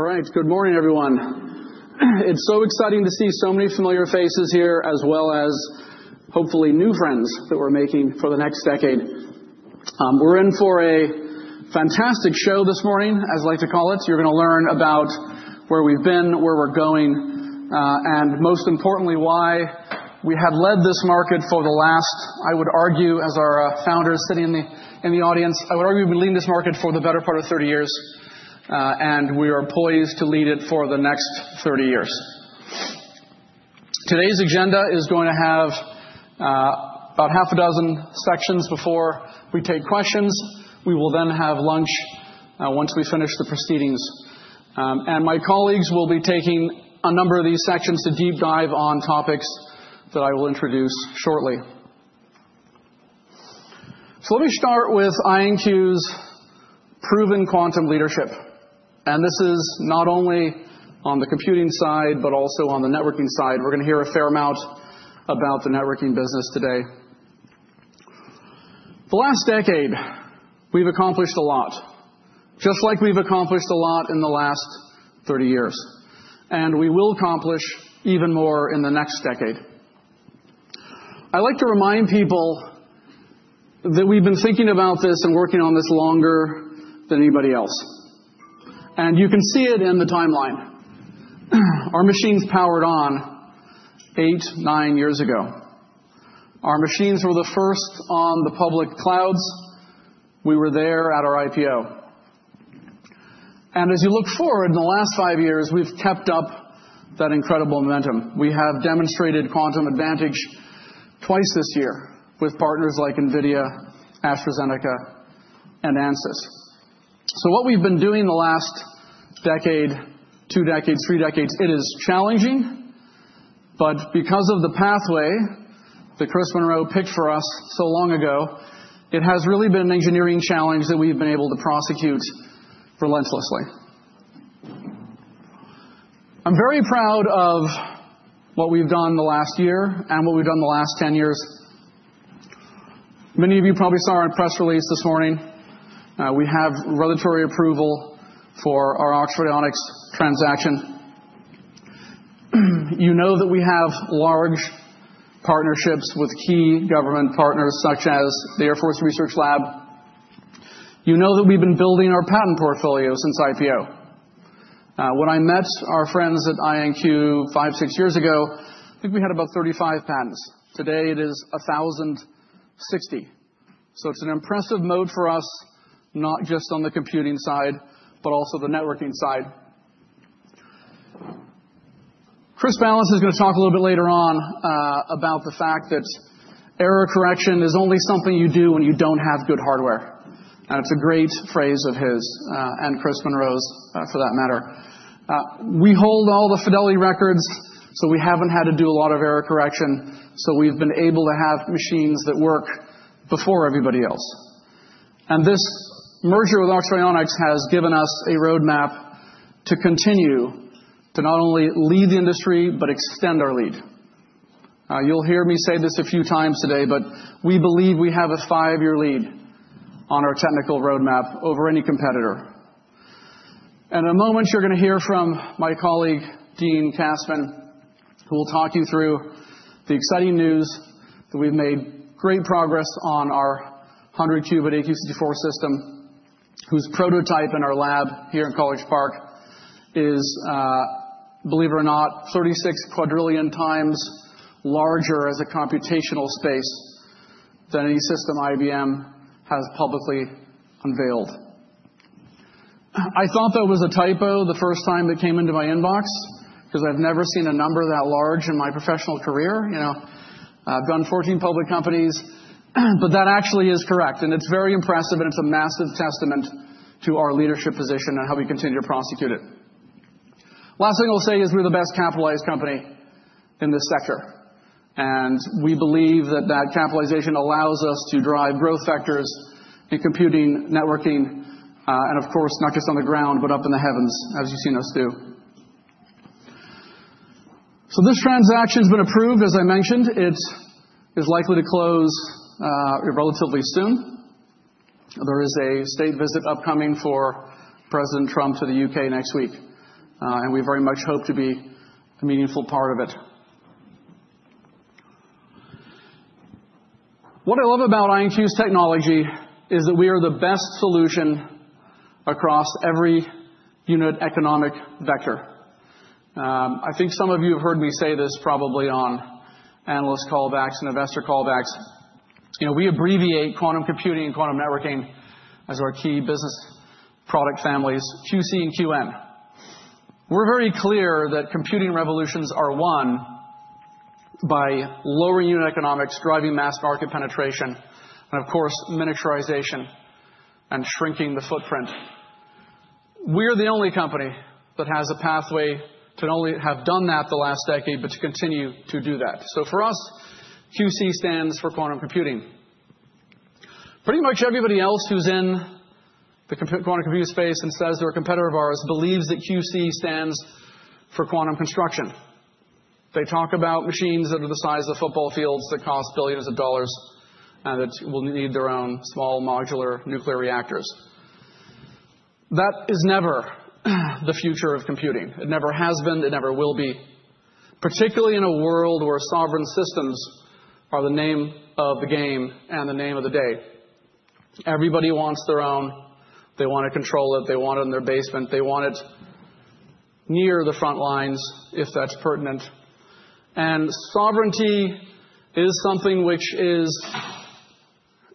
All right, good morning, everyone. It's so exciting to see so many familiar faces here, as well as, hopefully, new friends that we're making for the next decade. We're in for a fantastic show this morning, as I like to call it. You're going to learn about where we've been, where we're going, and most importantly, why we have led this market for the last, I would argue, as our founders sitting in the audience, I would argue we've been leading this market for the better part of 30 years, and we are poised to lead it for the next 30 years. Today's agenda is going to have about half a dozen sections before we take questions. We will then have lunch once we finish the proceedings, and my colleagues will be taking a number of these sections to deep dive on topics that I will introduce shortly. So let me start with IonQ's proven quantum leadership. And this is not only on the computing side, but also on the networking side. We're going to hear a fair amount about the networking business today. The last decade, we've accomplished a lot, just like we've accomplished a lot in the last 30 years. And we will accomplish even more in the next decade. I like to remind people that we've been thinking about this and working on this longer than anybody else. And you can see it in the timeline. Our machines powered on eight, nine years ago. Our machines were the first on the public clouds. We were there at our IPO. And as you look forward, in the last five years, we've kept up that incredible momentum. We have demonstrated quantum advantage twice this year with partners like NVIDIA, AstraZeneca, and Ansys. So, what we've been doing the last decade, two decades, three decades, it is challenging. But because of the pathway that Chris Monroe picked for us so long ago, it has really been an engineering challenge that we've been able to prosecute relentlessly. I'm very proud of what we've done the last year and what we've done the last 10 years. Many of you probably saw our press release this morning. We have regulatory approval for our Oxford Ionics transaction. You know that we have large partnerships with key government partners, such as the Air Force Research Lab. You know that we've been building our patent portfolio since IPO. When I met our friends at IonQ five, six years ago, I think we had about 35 patents. Today, it is 1,060. So it's an impressive moat for us, not just on the computing side, but also the networking side. Chris Ballance is going to talk a little bit later on about the fact that error correction is only something you do when you don't have good hardware. And it's a great phrase of his, and Chris Monroe's, for that matter. We hold all the fidelity records, so we haven't had to do a lot of error correction. So we've been able to have machines that work before everybody else. And this merger with Oxford Ionics has given us a roadmap to continue to not only lead the industry, but extend our lead. You'll hear me say this a few times today, but we believe we have a five-year lead on our technical roadmap over any competitor. In a moment, you're going to hear from my colleague, Dean Kassmann, who will talk you through the exciting news that we've made great progress on our 100-qubit AQ 64 system, whose prototype in our lab here in College Park is, believe it or not, 36 quadrillion times larger as a computational space than any system IBM has publicly unveiled. I thought that was a typo the first time it came into my inbox, because I've never seen a number that large in my professional career. I've done 14 public companies. That actually is correct. It's very impressive. It's a massive testament to our leadership position and how we continue to prosecute it. Last thing I'll say is we're the best capitalized company in this sector. And we believe that that capitalization allows us to drive growth factors in computing, networking, and of course, not just on the ground, but up in the heavens, as you've seen us do. So this transaction has been approved, as I mentioned. It is likely to close relatively soon. There is a state visit upcoming for President Trump to the U.K. next week. And we very much hope to be a meaningful part of it. What I love about IonQ's technology is that we are the best solution across every unit economic vector. I think some of you have heard me say this probably on analyst callbacks and investor callbacks. We abbreviate quantum computing and quantum networking as our key business product families, QC and QN. We're very clear that computing revolutions are won by lowering unit economics, driving mass market penetration, and of course, miniaturization and shrinking the footprint. We are the only company that has a pathway to not only have done that the last decade, but to continue to do that. So for us, QC stands for quantum computing. Pretty much everybody else who's in the quantum computing space and says they're a competitor of ours believes that QC stands for quantum construction. They talk about machines that are the size of football fields that cost billions of dollars and that will need their own small modular nuclear reactors. That is never the future of computing. It never has been. It never will be, particularly in a world where sovereign systems are the name of the game and the name of the day. Everybody wants their own. They want to control it. They want it in their basement. They want it near the front lines, if that's pertinent. Sovereignty is something which is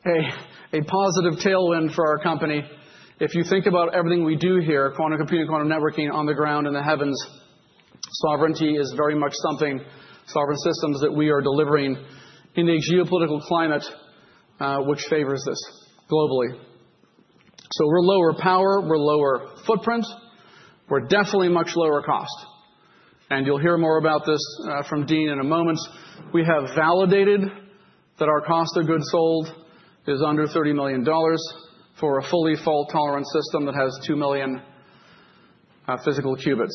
a positive tailwind for our company. If you think about everything we do here, quantum computing, quantum networking on the ground in the heavens, sovereignty is very much something, sovereign systems that we are delivering in a geopolitical climate which favors this globally. We're lower power. We're lower footprint. We're definitely much lower cost. And you'll hear more about this from Dean in a moment. We have validated that our cost of goods sold is under $30 million for a fully fault tolerant system that has two million physical qubits.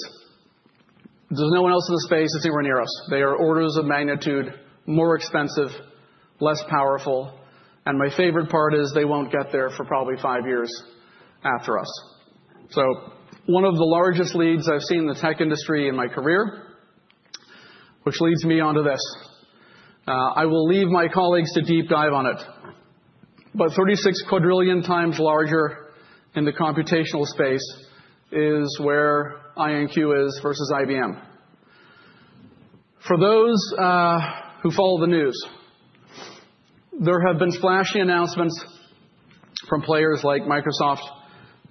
There's no one else in the space. It's anywhere near us. They are orders of magnitude more expensive, less powerful. And my favorite part is they won't get there for probably five years after us. One of the largest leads I've seen in the tech industry in my career, which leads me on to this. I will leave my colleagues to deep dive on it. But 36 quadrillion times larger in the computational space is where IonQ is versus IBM. For those who follow the news, there have been flashy announcements from players like Microsoft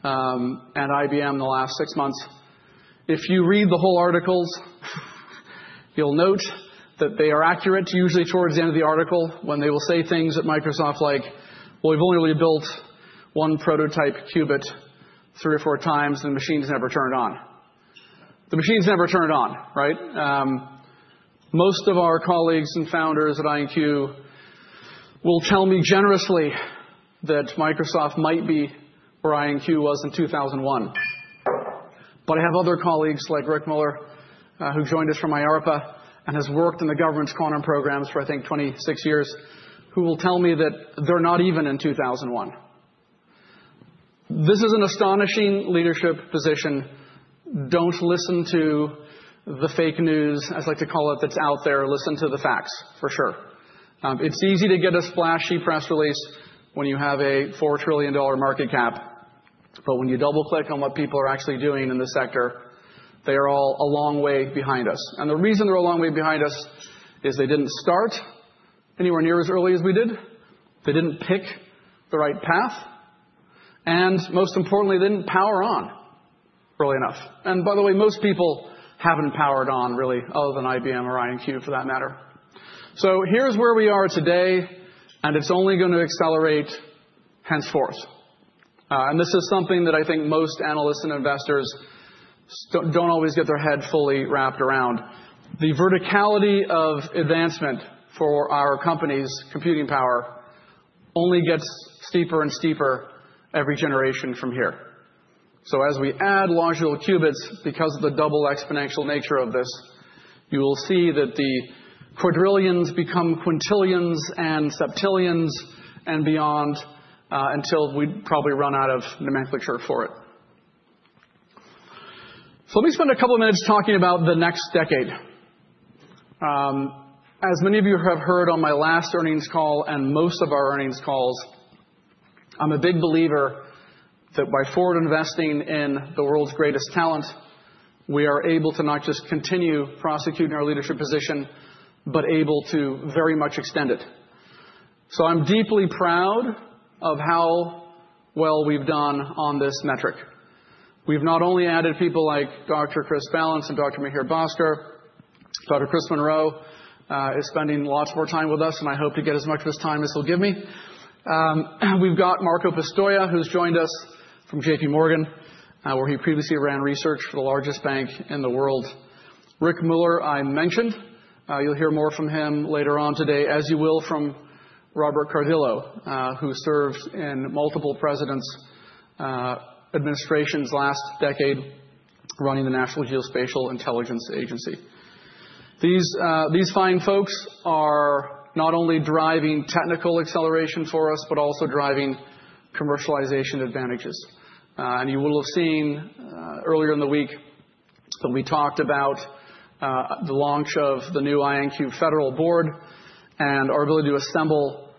and IBM in the last six months. If you read the whole articles, you'll note that they are accurate, usually towards the end of the article, when they will say things at Microsoft like, well, we've only really built one prototype qubit three or four times, and the machine's never turned on. The machine's never turned on, right? Most of our colleagues and founders at IonQ will tell me generously that Microsoft might be where IonQ was in 2001. But I have other colleagues like Rick Muller, who joined us from IARPA and has worked in the government's quantum programs for, I think, 26 years, who will tell me that they're not even in 2001. This is an astonishing leadership position. Don't listen to the fake news, as I like to call it, that's out there. Listen to the facts, for sure. It's easy to get a splashy press release when you have a $4 trillion market cap. But when you double-click on what people are actually doing in the sector, they are all a long way behind us. And the reason they're a long way behind us is they didn't start anywhere near as early as we did. They didn't pick the right path. And most importantly, they didn't power on early enough. And, by the way, most people haven't powered on, really, other than IBM or IonQ, for that matter. So, here's where we are today. And it's only going to accelerate henceforth. And this is something that I think most analysts and investors don't always get their head fully wrapped around. The verticality of advancement for our company's computing power only gets steeper and steeper every generation from here. So, as we add logical qubits, because of the double exponential nature of this, you will see that the quadrillions become quintillions and septillions and beyond until we probably run out of nomenclature for it. So, let me spend a couple of minutes talking about the next decade. As many of you have heard on my last earnings call and most of our earnings calls, I'm a big believer that by forward investing in the world's greatest talent, we are able to not just continue prosecuting our leadership position, but able to very much extend it. So I'm deeply proud of how well we've done on this metric. We've not only added people like Dr. Chris Ballance and Dr. Mihir Bhaskar. Dr. Chris Monroe is spending lots more time with us. And I hope to get as much of his time as he'll give me. We've got Marco Pistoia, who's joined us from JPMorgan, where he previously ran research for the largest bank in the world. Rick Muller, I mentioned. You'll hear more from him later on today, as you will from Robert Cardillo, who served in multiple presidents' administrations last decade, running the National Geospatial-Intelligence Agency. These fine folks are not only driving technical acceleration for us, but also driving commercialization advantages, and you will have seen earlier in the week that we talked about the launch of the new IonQ Federal Board and our ability to assemble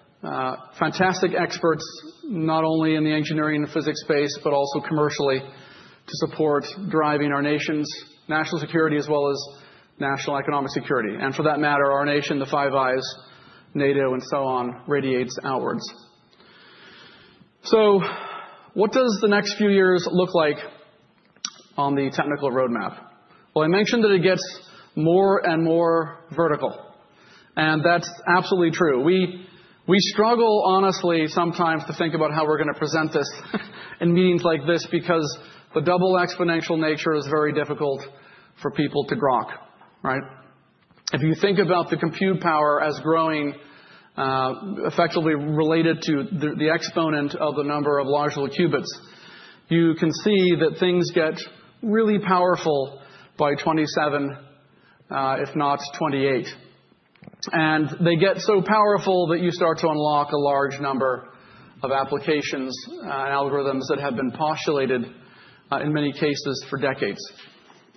fantastic experts, not only in the engineering and physics space, but also commercially to support driving our nation's national security, as well as national economic security, and for that matter, our nation, the Five Eyes, NATO, and so on, radiates outwards, so what does the next few years look like on the technical roadmap? Well, I mentioned that it gets more and more vertical, and that's absolutely true. We struggle, honestly, sometimes to think about how we're going to present this in meetings like this, because the double exponential nature is very difficult for people to grok, right? If you think about the compute power as growing, effectively related to the exponent of the number of logical qubits, you can see that things get really powerful by 2027, if not 2028. And they get so powerful that you start to unlock a large number of applications and algorithms that have been postulated, in many cases, for decades.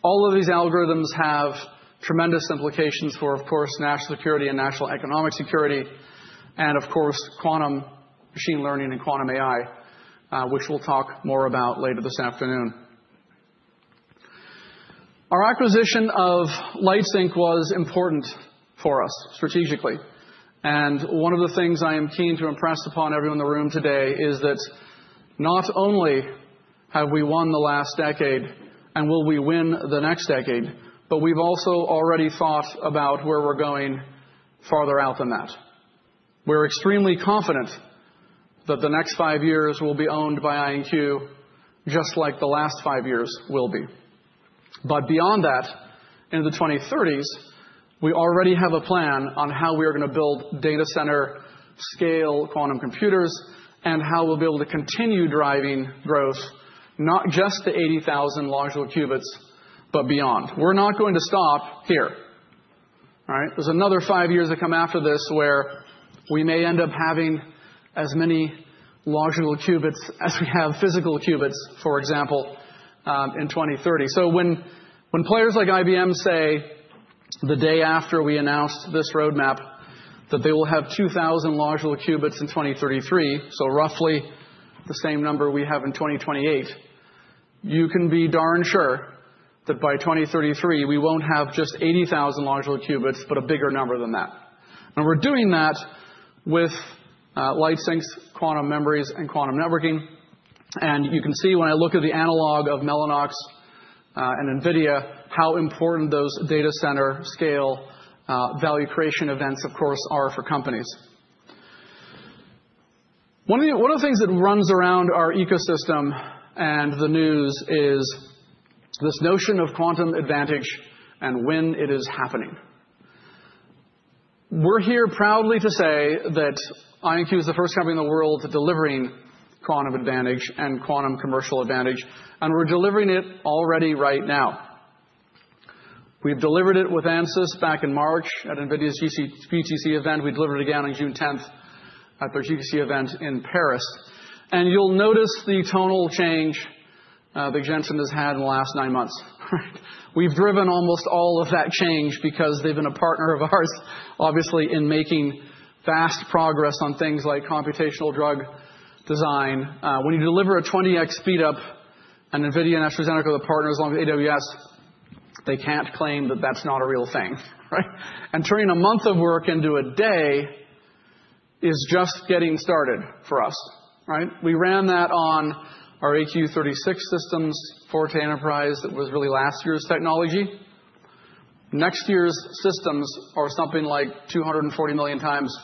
All of these algorithms have tremendous implications for, of course, national security and national economic security, and of course, quantum machine learning and quantum AI, which we'll talk more about later this afternoon. Our acquisition of LightSync was important for us strategically. And one of the things I am keen to impress upon everyone in the room today is that not only have we won the last decade and will we win the next decade, but we've also already thought about where we're going farther out than that. We're extremely confident that the next five years will be owned by IonQ, just like the last five years will be. But beyond that, into the 2030s, we already have a plan on how we are going to build data center-scale quantum computers and how we'll be able to continue driving growth, not just to 80,000 logical qubits, but beyond. We're not going to stop here, right? There's another five years that come after this where we may end up having as many logical qubits as we have physical qubits, for example, in 2030. So when players like IBM say the day after we announced this roadmap that they will have 2,000 logical qubits in 2033, so roughly the same number we have in 2028, you can be darn sure that by 2033, we won't have just 80,000 logical qubits, but a bigger number than that. And we're doing that with LightSync's quantum memories and quantum networking. And you can see when I look at the analog of Mellanox and NVIDIA how important those data center-scale value creation events, of course, are for companies. One of the things that runs around our ecosystem and the news is this notion of quantum advantage and when it is happening. We're here proudly to say that IonQ is the first company in the world delivering quantum advantage and quantum commercial advantage. And we're delivering it already right now. We've delivered it with Ansys back in March at NVIDIA's GTC event. We delivered it again on June 10 at their GTC event in Paris, and you'll notice the tonal change that Jensen has had in the last nine months. We've driven almost all of that change because they've been a partner of ours, obviously, in making fast progress on things like computational drug design. When you deliver a 20x speedup, and NVIDIA and AstraZeneca, the partners along with AWS, they can't claim that that's not a real thing, right, and turning a month of work into a day is just getting started for us, right? We ran that on our AQ 36 systems, Forte Enterprise. That was really last year's technology. Next year's systems are something like 240 million times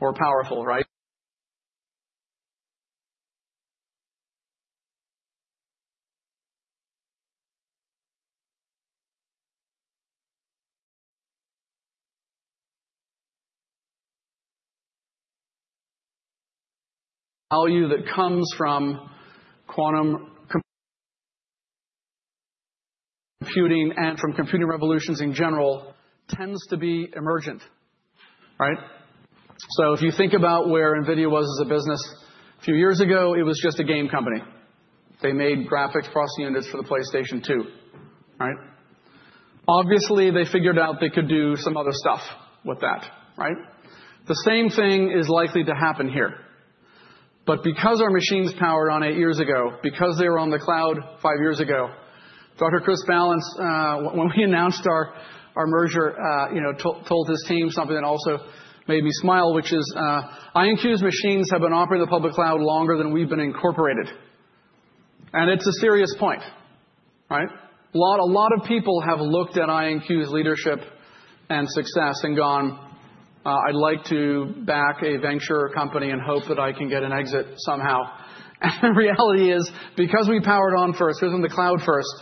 more powerful, right? Value that comes from quantum computing and from computing revolutions in general tends to be emergent, right? So if you think about where NVIDIA was as a business a few years ago, it was just a game company. They made graphics processing units for the PlayStation 2, right? Obviously, they figured out they could do some other stuff with that, right? The same thing is likely to happen here. But because our machines powered on eight years ago, because they were on the cloud five years ago, Dr. Chris Ballance, when we announced our merger, told his team something that also made me smile, which is IonQ's machines have been operating in the public cloud longer than we've been incorporated. And it's a serious point, right? A lot of people have looked at IonQ's leadership and success and gone, "I'd like to back a venture company and hope that I can get an exit somehow." And the reality is, because we powered on first, because we went to the cloud first,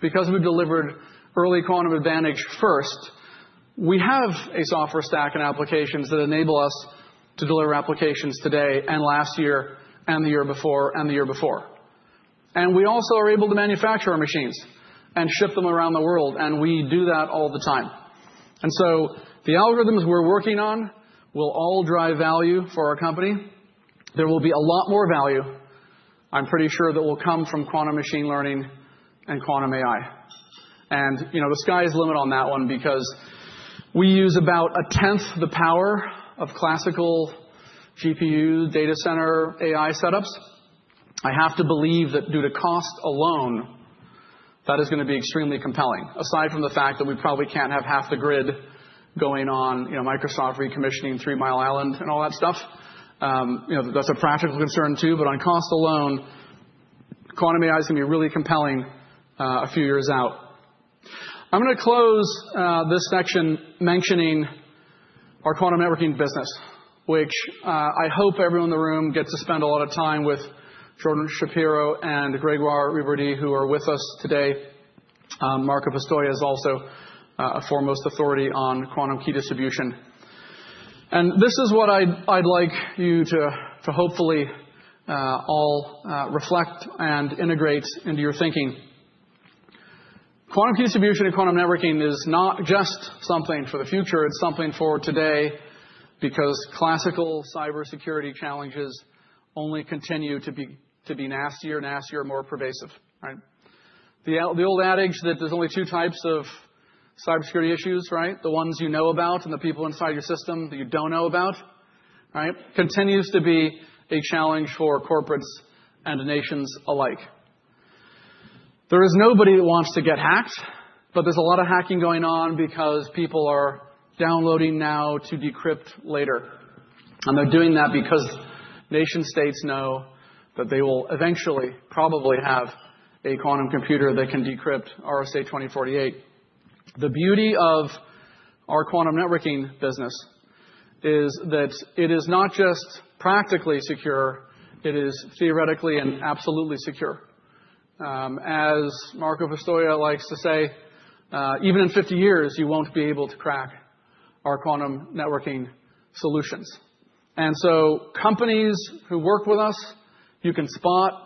because we delivered early quantum advantage first, we have a software stack and applications that enable us to deliver applications today and last year and the year before and the year before. And we also are able to manufacture our machines and ship them around the world. And we do that all the time. And so the algorithms we're working on will all drive value for our company. There will be a lot more value, I'm pretty sure, that will come from quantum machine learning and quantum AI. And the sky is the limit on that one, because we use about a tenth the power of classical GPU data center AI setups. I have to believe that due to cost alone, that is going to be extremely compelling, aside from the fact that we probably can't have half the grid going on Microsoft recommissioning Three Mile Island and all that stuff. That's a practical concern, too. But on cost alone, quantum AI is going to be really compelling a few years out. I'm going to close this section mentioning our quantum networking business, which I hope everyone in the room gets to spend a lot of time with Jordan Shapiro and Grégoire Ribordy, who are with us today. Marco Pistoia is also a foremost authority on quantum key distribution. And this is what I'd like you to hopefully all reflect and integrate into your thinking. Quantum key distribution and quantum networking is not just something for the future. It's something for today, because classical cybersecurity challenges only continue to be nastier, nastier, more pervasive, right? The old adage that there's only two types of cybersecurity issues, right, the ones you know about and the people inside your system that you don't know about, right, continues to be a challenge for corporates and nations alike. There is nobody that wants to get hacked, but there's a lot of hacking going on because people are downloading now to decrypt later, and they're doing that because nation-states know that they will eventually probably have a quantum computer that can decrypt RSA-2048. The beauty of our quantum networking business is that it is not just practically secure. It is theoretically and absolutely secure. As Marco Pistoia likes to say, "Even in 50 years, you won't be able to crack our quantum networking solutions." And so companies who work with us, you can spot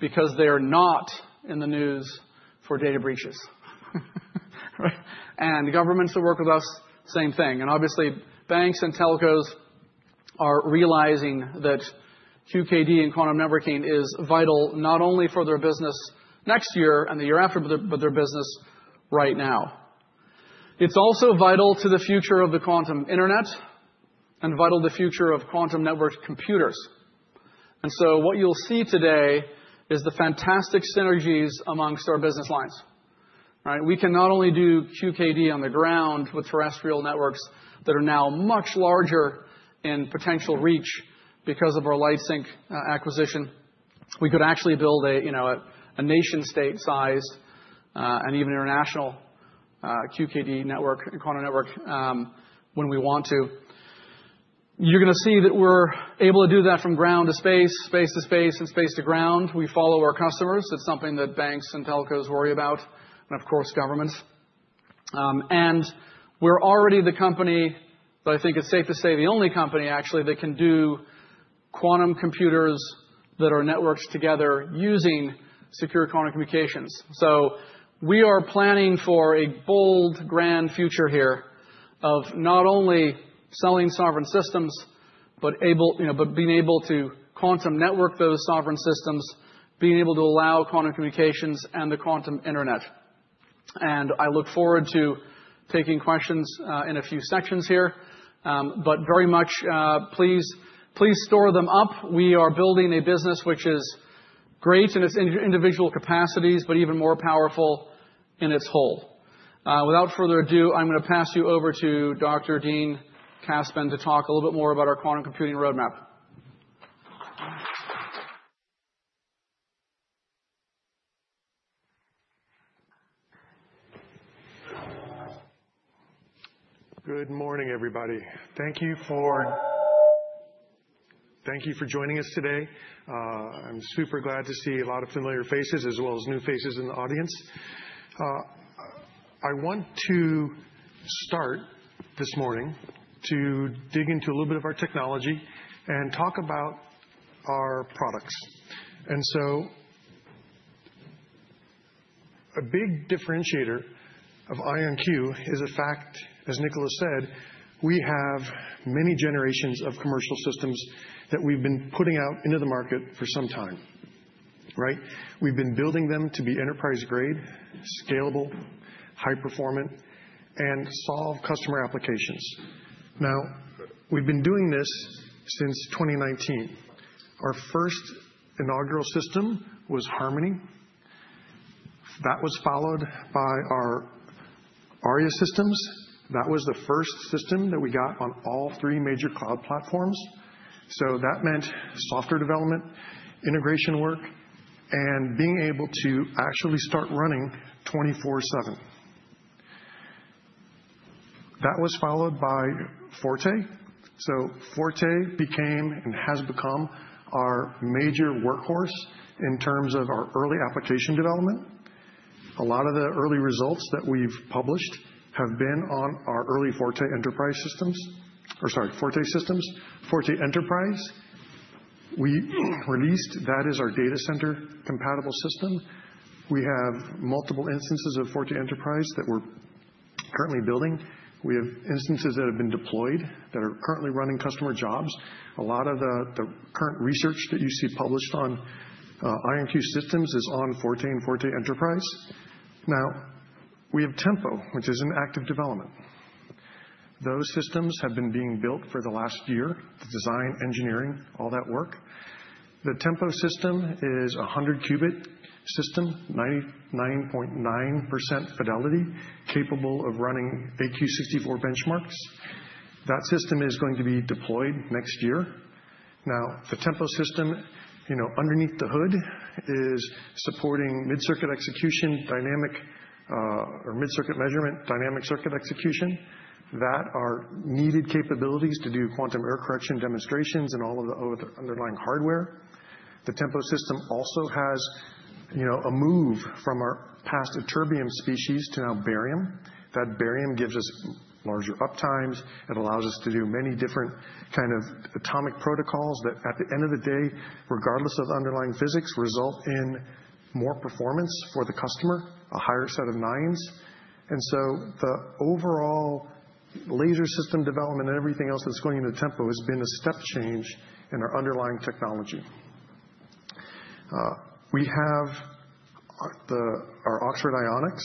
because they are not in the news for data breaches, right? And governments that work with us, same thing. And obviously, banks and telcos are realizing that QKD and quantum networking is vital not only for their business next year and the year after, but their business right now. It's also vital to the future of the quantum internet and vital to the future of quantum network computers. And so what you'll see today is the fantastic synergies amongst our business lines, right? We can not only do QKD on the ground with terrestrial networks that are now much larger in potential reach because of our LightSync acquisition. We could actually build a nation-state-sized and even international QKD network and quantum network when we want to. You're going to see that we're able to do that from ground to space, space to space, and space to ground. We follow our customers. It's something that banks and telcos worry about, and of course, governments. And we're already the company that I think it's safe to say the only company, actually, that can do quantum computers that are networks together using secure quantum communications. So we are planning for a bold, grand future here of not only selling sovereign systems, but being able to quantum network those sovereign systems, being able to allow quantum communications and the quantum internet. And I look forward to taking questions in a few sections here. But very much, please store them up. We are building a business which is great in its individual capacities, but even more powerful in its whole. Without further ado, I'm going to pass you over to Dr. Dean Kassmann to talk a little bit more about our quantum computing roadmap. Good morning, everybody. Thank you for joining us today. I'm super glad to see a lot of familiar faces, as well as new faces in the audience. I want to start this morning to dig into a little bit of our technology and talk about our products, and so a big differentiator of IonQ is the fact, as Niccolo said, we have many generations of commercial systems that we've been putting out into the market for some time, right? We've been building them to be enterprise-grade, scalable, high-performant, and solve customer applications. Now, we've been doing this since 2019. Our first inaugural system was Harmony. That was followed by our Aria systems. That was the first system that we got on all three major cloud platforms, so that meant software development, integration work, and being able to actually start running 24/7. That was followed by Forte. Forte became and has become our major workhorse in terms of our early application development. A lot of the early results that we've published have been on our early Forte Enterprise systems or, sorry, Forte systems. Forte Enterprise we released. That is our data center compatible system. We have multiple instances of Forte Enterprise that we're currently building. We have instances that have been deployed that are currently running customer jobs. A lot of the current research that you see published on IonQ systems is on Forte and Forte Enterprise. Now, we have Tempo, which is in active development. Those systems have been being built for the last year, the design, engineering, all that work. The Tempo system is a 100-qubit system, 99.9% fidelity, capable of running AQ 64 benchmarks. That system is going to be deployed next year. Now, the Tempo system underneath the hood is supporting mid-circuit execution, dynamic or mid-circuit measurement, dynamic circuit execution. That are needed capabilities to do quantum error correction demonstrations and all of the underlying hardware. The Tempo system also has a move from our past ytterbium species to now barium. That barium gives us larger uptimes. It allows us to do many different kinds of atomic protocols that, at the end of the day, regardless of underlying physics, result in more performance for the customer, a higher set of nines. And so the overall laser system development and everything else that's going into Tempo has been a step change in our underlying technology. We have our Oxford Ionics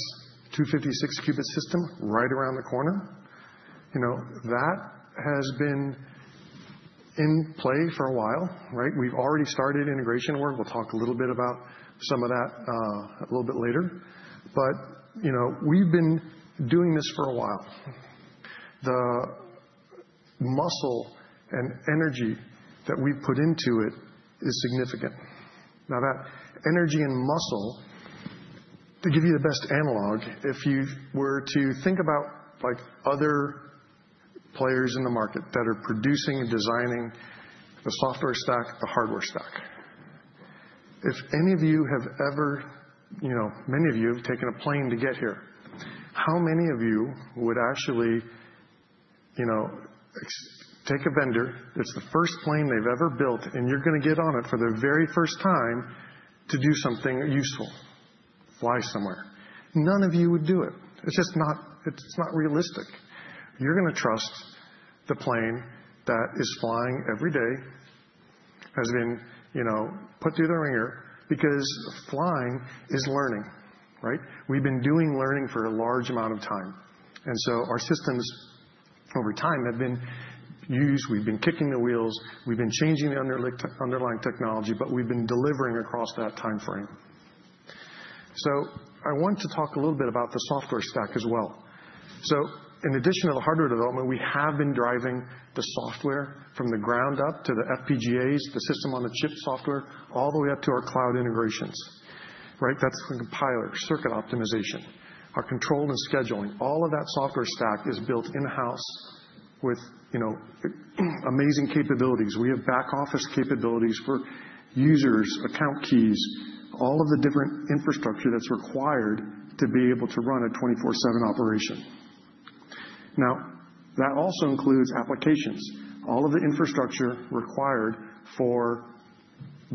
256-qubit system right around the corner. That has been in play for a while, right? We've already started integration work. We'll talk a little bit about some of that a little bit later. But we've been doing this for a while. The muscle and energy that we've put into it is significant. Now, that energy and muscle, to give you the best analog, if you were to think about other players in the market that are producing and designing the software stack, the hardware stack, if any of you have ever, many of you have taken a plane to get here, how many of you would actually take a vendor that's the first plane they've ever built, and you're going to get on it for the very first time to do something useful, fly somewhere? None of you would do it. It's just not realistic. You're going to trust the plane that is flying every day, has been put through the wringer, because flying is learning, right? We've been doing learning for a large amount of time. And so our systems over time have been used. We've been kicking the wheels. We've been changing the underlying technology, but we've been delivering across that time frame. So I want to talk a little bit about the software stack as well. So in addition to the hardware development, we have been driving the software from the ground up to the FPGAs, the system-on-chip software, all the way up to our cloud integrations, right? That's compilers, circuit optimization, our control and scheduling. All of that software stack is built in-house with amazing capabilities. We have back-office capabilities for users, account keys, all of the different infrastructure that's required to be able to run a 24/7 operation. Now, that also includes applications. All of the infrastructure required for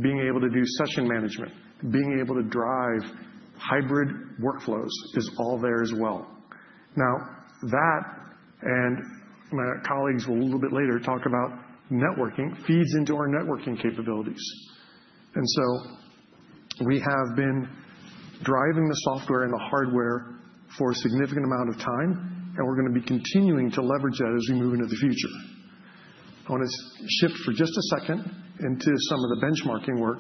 being able to do session management, being able to drive hybrid workflows is all there as well. Now, that and my colleagues will a little bit later talk about networking feeds into our networking capabilities. And so we have been driving the software and the hardware for a significant amount of time, and we're going to be continuing to leverage that as we move into the future. I want to shift for just a second into some of the benchmarking work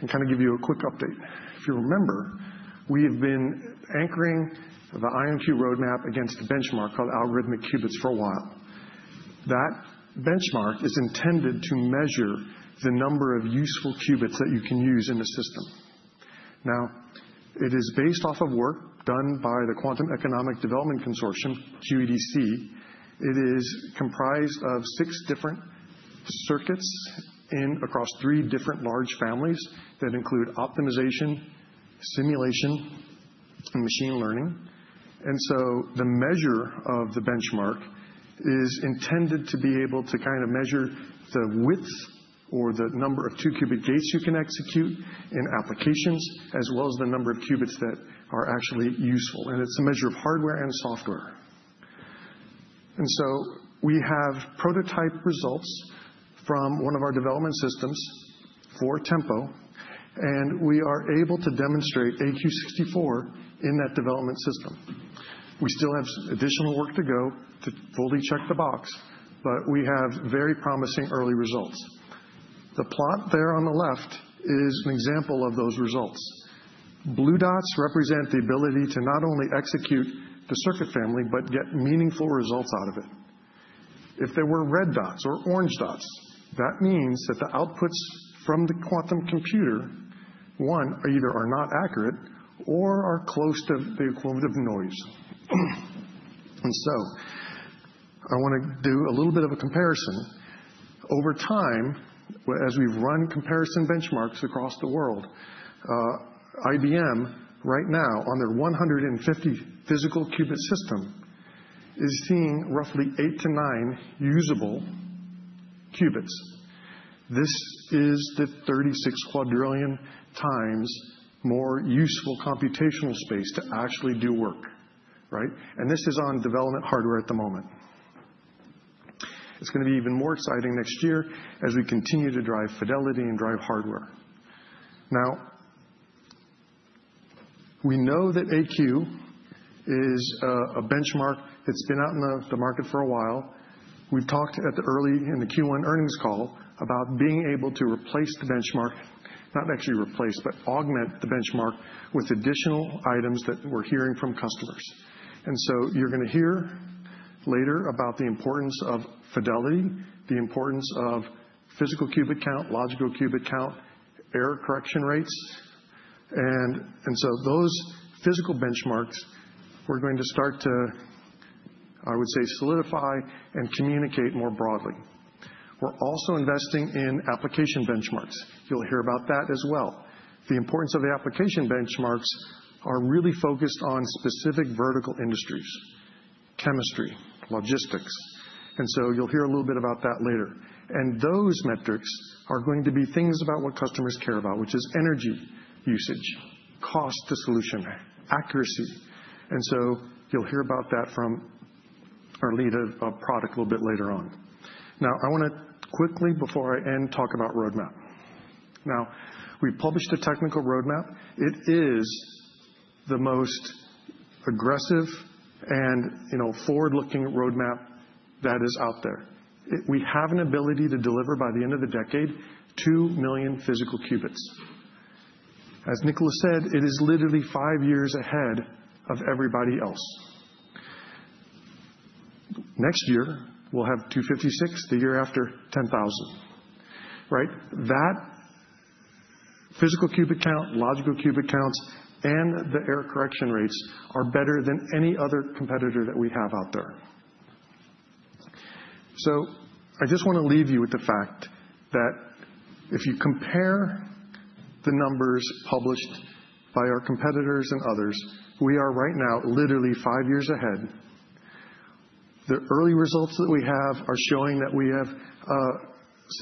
and kind of give you a quick update. If you remember, we have been anchoring the IonQ roadmap against a benchmark called algorithmic qubits for a while. That benchmark is intended to measure the number of useful qubits that you can use in the system. Now, it is based off of work done by the Quantum Economic Development Consortium, QEDC. It is comprised of six different circuits across three different large families that include optimization, simulation, and machine learning. And so the measure of the benchmark is intended to be able to kind of measure the width or the number of 2-qubit gates you can execute in applications, as well as the number of qubits that are actually useful. And it's a measure of hardware and software. And so we have prototype results from one of our development systems for Tempo, and we are able to demonstrate AQ 64 in that development system. We still have additional work to go to fully check the box, but we have very promising early results. The plot there on the left is an example of those results. Blue dots represent the ability to not only execute the circuit family, but get meaningful results out of it. If there were red dots or orange dots, that means that the outputs from the quantum computer, one, either are not accurate or are close to the equivalent of noise. And so I want to do a little bit of a comparison. Over time, as we've run comparison benchmarks across the world, IBM right now, on their 150 physical qubit system, is seeing roughly eight to nine usable qubits. This is the 36 quadrillion times more useful computational space to actually do work, right? And this is on development hardware at the moment. It's going to be even more exciting next year as we continue to drive fidelity and drive hardware. Now, we know that AQ is a benchmark that's been out in the market for a while. We've talked early in the Q1 earnings call about being able to replace the benchmark, not actually replace, but augment the benchmark with additional items that we're hearing from customers. And so you're going to hear later about the importance of fidelity, the importance of physical qubit count, logical qubit count, error correction rates. And so those physical benchmarks, we're going to start to, I would say, solidify and communicate more broadly. We're also investing in application benchmarks. You'll hear about that as well. The importance of the application benchmarks are really focused on specific vertical industries, chemistry, logistics. And so you'll hear a little bit about that later. And those metrics are going to be things about what customers care about, which is energy usage, cost to solution, accuracy. And so you'll hear about that from our lead of product a little bit later on. Now, I want to quickly, before I end, talk about roadmap. Now, we published a technical roadmap. It is the most aggressive and forward-looking roadmap that is out there. We have an ability to deliver by the end of the decade 2 million physical qubits. As Niccolo said, it is literally five years ahead of everybody else. Next year, we'll have 256. The year after, 10,000, right? That physical qubit count, logical qubit counts, and the error correction rates are better than any other competitor that we have out there. So I just want to leave you with the fact that if you compare the numbers published by our competitors and others, we are right now literally five years ahead. The early results that we have are showing that we have a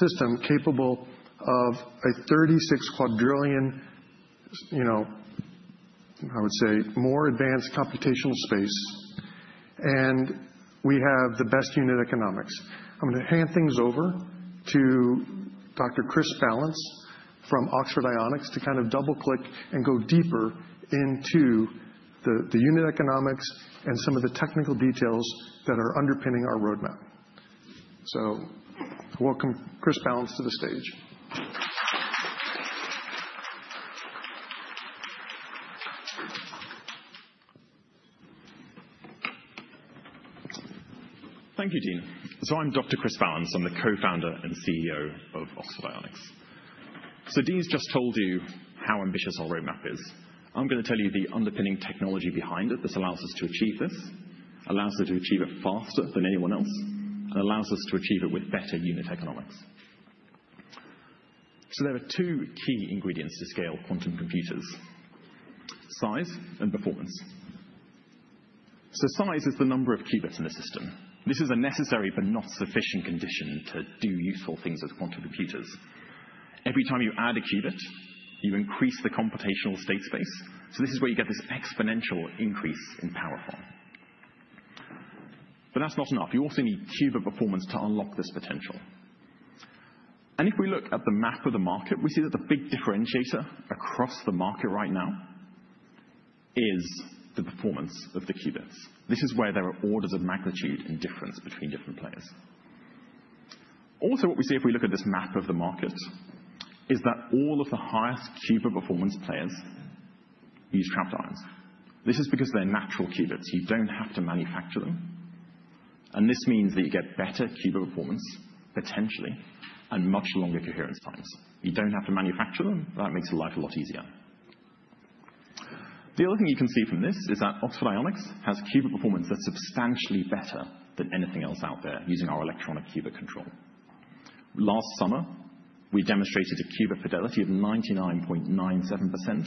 system capable of a 36 quadrillion, I would say, more advanced computational space. We have the best unit economics. I'm going to hand things over to Dr. Chris Ballance from Oxford Ionics to kind of double-click and go deeper into the unit economics and some of the technical details that are underpinning our roadmap. Welcome, Chris Ballance, to the stage. Thank you, Dean. I'm Dr. Chris Ballance. I'm the co-founder and CEO of Oxford Ionics. Dean's just told you how ambitious our roadmap is. I'm going to tell you the underpinning technology behind it that allows us to achieve this, allows us to achieve it faster than anyone else, and allows us to achieve it with better unit economics. There are two key ingredients to scale quantum computers: size and performance. Size is the number of qubits in the system. This is a necessary but not sufficient condition to do useful things with quantum computers. Every time you add a qubit, you increase the computational state space. This is where you get this exponential increase in powerful. That's not enough. You also need qubit performance to unlock this potential. If we look at the map of the market, we see that the big differentiator across the market right now is the performance of the qubits. This is where there are orders of magnitude in difference between different players. Also, what we see if we look at this map of the market is that all of the highest qubit performance players use trapped ions. This is because they're natural qubits. You don't have to manufacture them. And this means that you get better qubit performance, potentially, and much longer coherence times. That makes life a lot easier. The other thing you can see from this is that Oxford Ionics has qubit performance that's substantially better than anything else out there using our electronic qubit control. Last summer, we demonstrated a qubit fidelity of 99.97%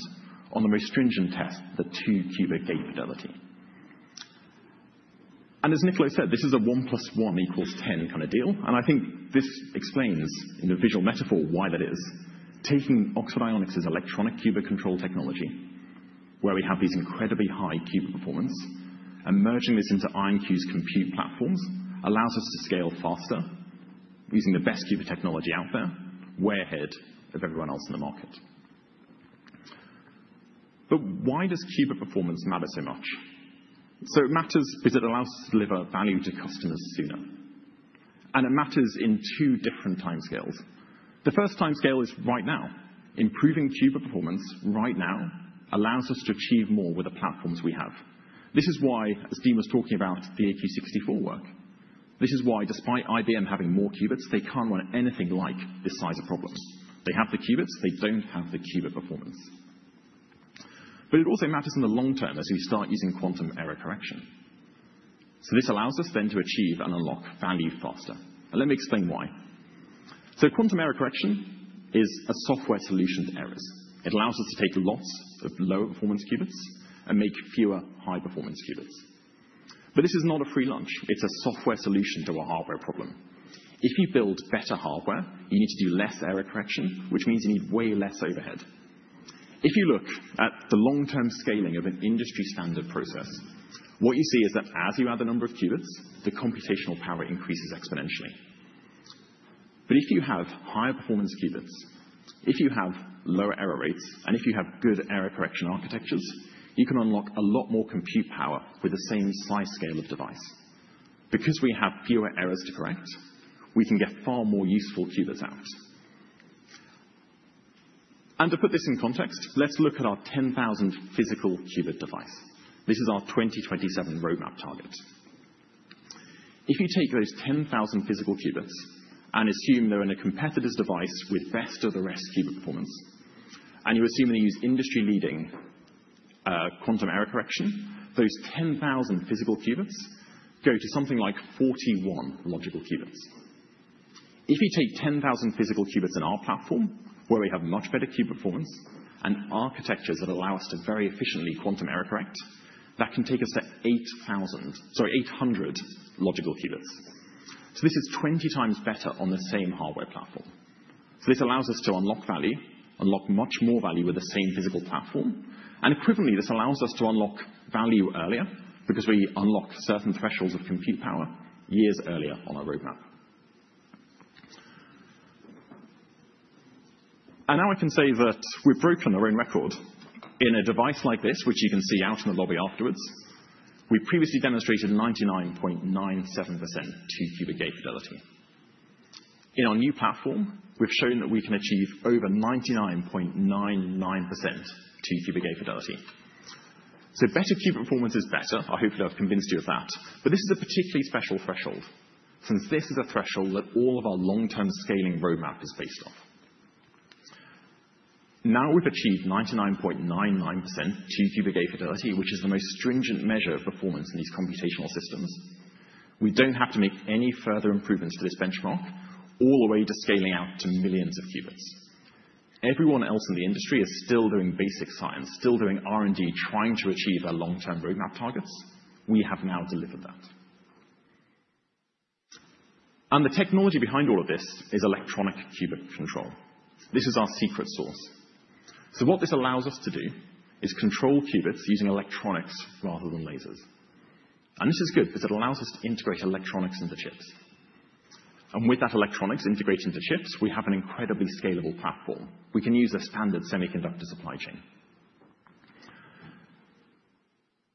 on the most stringent test, the 2-qubit gate fidelity. And as Niccolo said, this is a one plus one equals 10 kind of deal. And I think this explains in a visual metaphor why that is. Taking Oxford Ionics' electronic qubit control technology, where we have these incredibly high qubit performance, and merging this into IonQ's compute platforms allows us to scale faster using the best qubit technology out there, way ahead of everyone else in the market. But why does qubit performance matter so much? So it matters because it allows us to deliver value to customers sooner. And it matters in two different time scales. The first time scale is right now. Improving qubit performance right now allows us to achieve more with the platforms we have. This is why, as Dean was talking about, the AQ 64 work. This is why, despite IBM having more qubits, they can't run anything like this size of problems. They have the qubits. They don't have the qubit performance. But it also matters in the long term as we start using quantum error correction. So this allows us then to achieve and unlock value faster. And let me explain why. So quantum error correction is a software solution to errors. It allows us to take lots of lower performance qubits and make fewer high performance qubits. But this is not a free lunch. It's a software solution to our hardware problem. If you build better hardware, you need to do less error correction, which means you need way less overhead. If you look at the long-term scaling of an industry standard process, what you see is that as you add the number of qubits, the computational power increases exponentially. But if you have higher performance qubits, if you have lower error rates, and if you have good error correction architectures, you can unlock a lot more compute power with the same size scale of device. Because we have fewer errors to correct, we can get far more useful qubits out. And to put this in context, let's look at our 10,000 physical qubit device. This is our 2027 roadmap target. If you take those 10,000 physical qubits and assume they're in a competitor's device with best of the rest qubit performance, and you assume they use industry-leading quantum error correction, those 10,000 physical qubits go to something like 41 logical qubits. If you take 10,000 physical qubits in our platform, where we have much better qubit performance and architectures that allow us to very efficiently quantum error correct, that can take us to 8,000, sorry, 800 logical qubits. So this is 20x better on the same hardware platform. So this allows us to unlock value, unlock much more value with the same physical platform. And equivalently, this allows us to unlock value earlier because we unlock certain thresholds of compute power years earlier on our roadmap. And now I can say that we've broken our own record. In a device like this, which you can see out in the lobby afterwards, we previously demonstrated 99.97% 2-qubit gate fidelity. In our new platform, we've shown that we can achieve over 99.99% 2-qubit gate fidelity. So better qubit performance is better. I hope that I've convinced you of that. But this is a particularly special threshold since this is a threshold that all of our long-term scaling roadmap is based off. Now we've achieved 99.99% 2-qubit gate fidelity, which is the most stringent measure of performance in these computational systems. We don't have to make any further improvements to this benchmark all the way to scaling out to millions of qubits. Everyone else in the industry is still doing basic science, still doing R&D, trying to achieve our long-term roadmap targets. We have now delivered that, and the technology behind all of this is electronic qubit control. This is our secret sauce, so what this allows us to do is control qubits using electronics rather than lasers, and this is good because it allows us to integrate electronics into chips, and with that electronics integrating into chips, we have an incredibly scalable platform. We can use a standard semiconductor supply chain.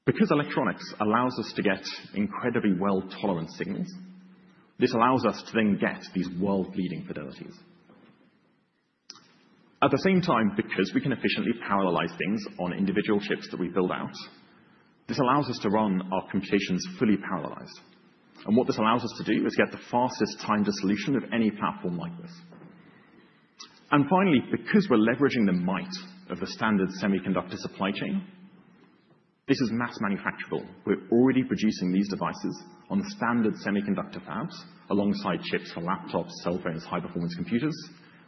Because electronics allows us to get incredibly well-tolerant signals, this allows us to then get these world-leading fidelities. At the same time, because we can efficiently parallelize things on individual chips that we build out, this allows us to run our computations fully parallelized. And what this allows us to do is get the fastest time to solution of any platform like this. And finally, because we're leveraging the might of the standard semiconductor supply chain, this is mass manufacturable. We're already producing these devices on standard semiconductor fabs alongside chips for laptops, cell phones, high-performance computers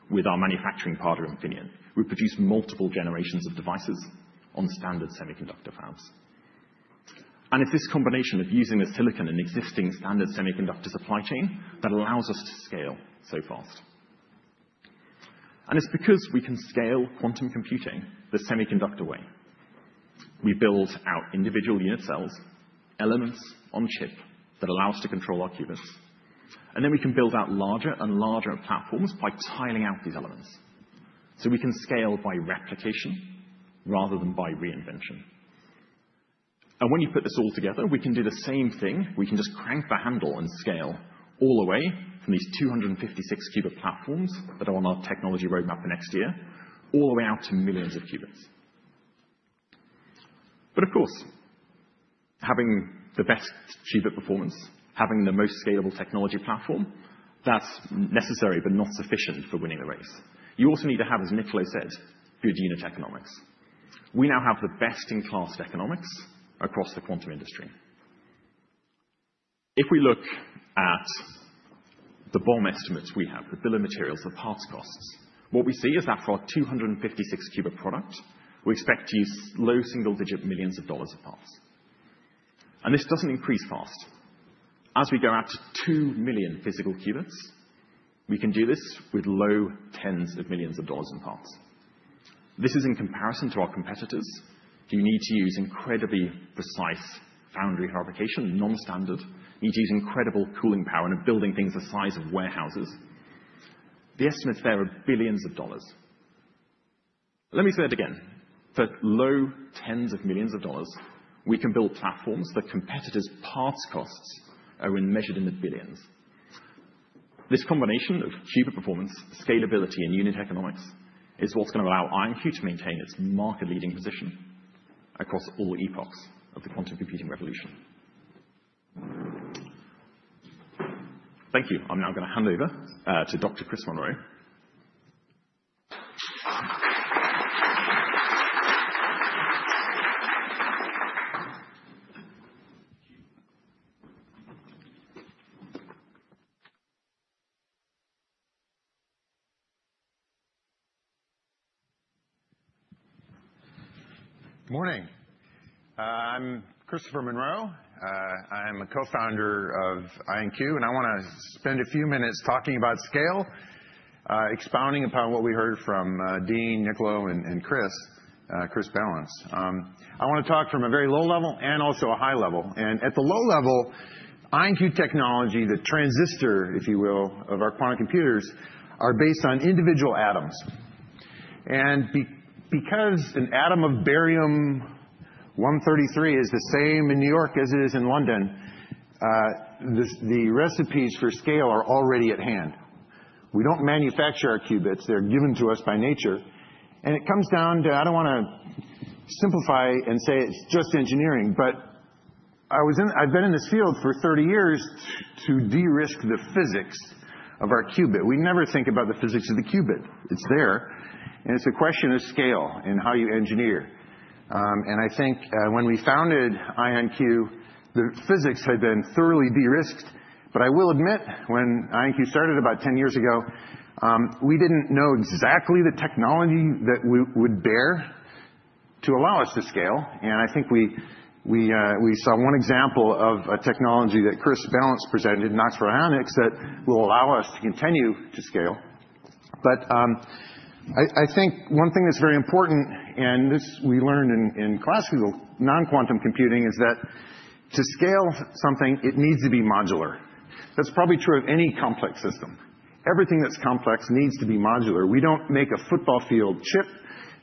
with our manufacturing partner Infineon. We produce multiple generations of devices on standard semiconductor fabs. And it's this combination of using the silicon in existing standard semiconductor supply chain that allows us to scale so fast. And it's because we can scale quantum computing the semiconductor way. We build out individual unit cells, elements on chip that allow us to control our qubits. And then we can build out larger and larger platforms by tiling out these elements. So we can scale by replication rather than by reinvention. And when you put this all together, we can do the same thing. We can just crank the handle and scale all the way from these 256-qubit platforms that are on our technology roadmap for next year all the way out to millions of qubits. But of course, having the best qubit performance, having the most scalable technology platform, that's necessary but not sufficient for winning the race. You also need to have, as Niccolo said, good unit economics. We now have the best-in-class economics across the quantum industry. If we look at the BOM estimates we have, the bill of materials of parts costs, what we see is that for our 256-qubit product, we expect to use low single-digit millions of dollars of parts. And this doesn't increase fast. As we go out to 2 million physical qubits, we can do this with low tens of millions of dollars in parts. This is in comparison to our competitors who need to use incredibly precise foundry fabrication, non-standard. You need to use incredible cooling power and building things the size of warehouses. The estimates there are billions of dollars. Let me say it again. For low tens of millions of dollars, we can build platforms that competitors' parts costs are measured in the billions. This combination of cheaper performance, scalability, and unit economics is what's going to allow IonQ to maintain its market-leading position across all epochs of the quantum computing revolution. Thank you. I'm now going to hand over to Dr. Christopher Monroe. Good morning. I'm Christopher Monroe. I'm a co-founder of IonQ. I want to spend a few minutes talking about scale, expounding upon what we heard from Dean, Niccolo, and Chris Ballance. I want to talk from a very low level and also a high level. At the low level, IonQ technology, the transistor, if you will, of our quantum computers are based on individual atoms. Because an atom of barium-133 is the same in New York as it is in London, the recipes for scale are already at hand. We don't manufacture our qubits. They're given to us by nature. It comes down to, I don't want to simplify and say it's just engineering. But I've been in this field for 30 years to de-risk the physics of our qubit. We never think about the physics of the qubit. It's there. It's a question of scale and how you engineer. I think when we founded IonQ, the physics had been thoroughly de-risked. But I will admit, when IonQ started about 10 years ago, we didn't know exactly the technology that would bear to allow us to scale. I think we saw one example of a technology that Chris Ballance presented in Oxford Ionics that will allow us to continue to scale. But I think one thing that's very important, and this we learned in classical non-quantum computing, is that to scale something, it needs to be modular. That's probably true of any complex system. Everything that's complex needs to be modular. We don't make a football field chip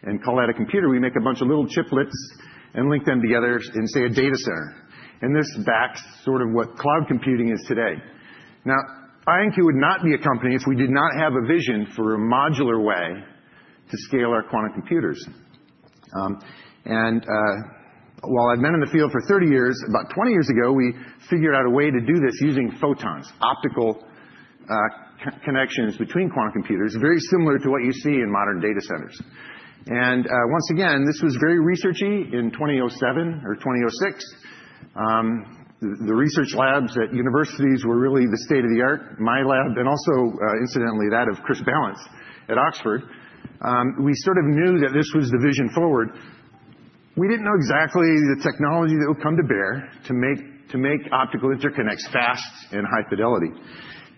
and call that a computer. We make a bunch of little chiplets and link them together in, say, a data center. This backs sort of what cloud computing is today. Now, IonQ would not be a company if we did not have a vision for a modular way to scale our quantum computers. While I've been in the field for 30 years, about 20 years ago, we figured out a way to do this using photons, optical connections between quantum computers, very similar to what you see in modern data centers. Once again, this was very researchy in 2007 or 2006. The research labs at universities were really the state of the art, my lab, and also, incidentally, that of Chris Ballance at Oxford. We sort of knew that this was the vision forward. We didn't know exactly the technology that would come to bear to make optical interconnects fast and high fidelity.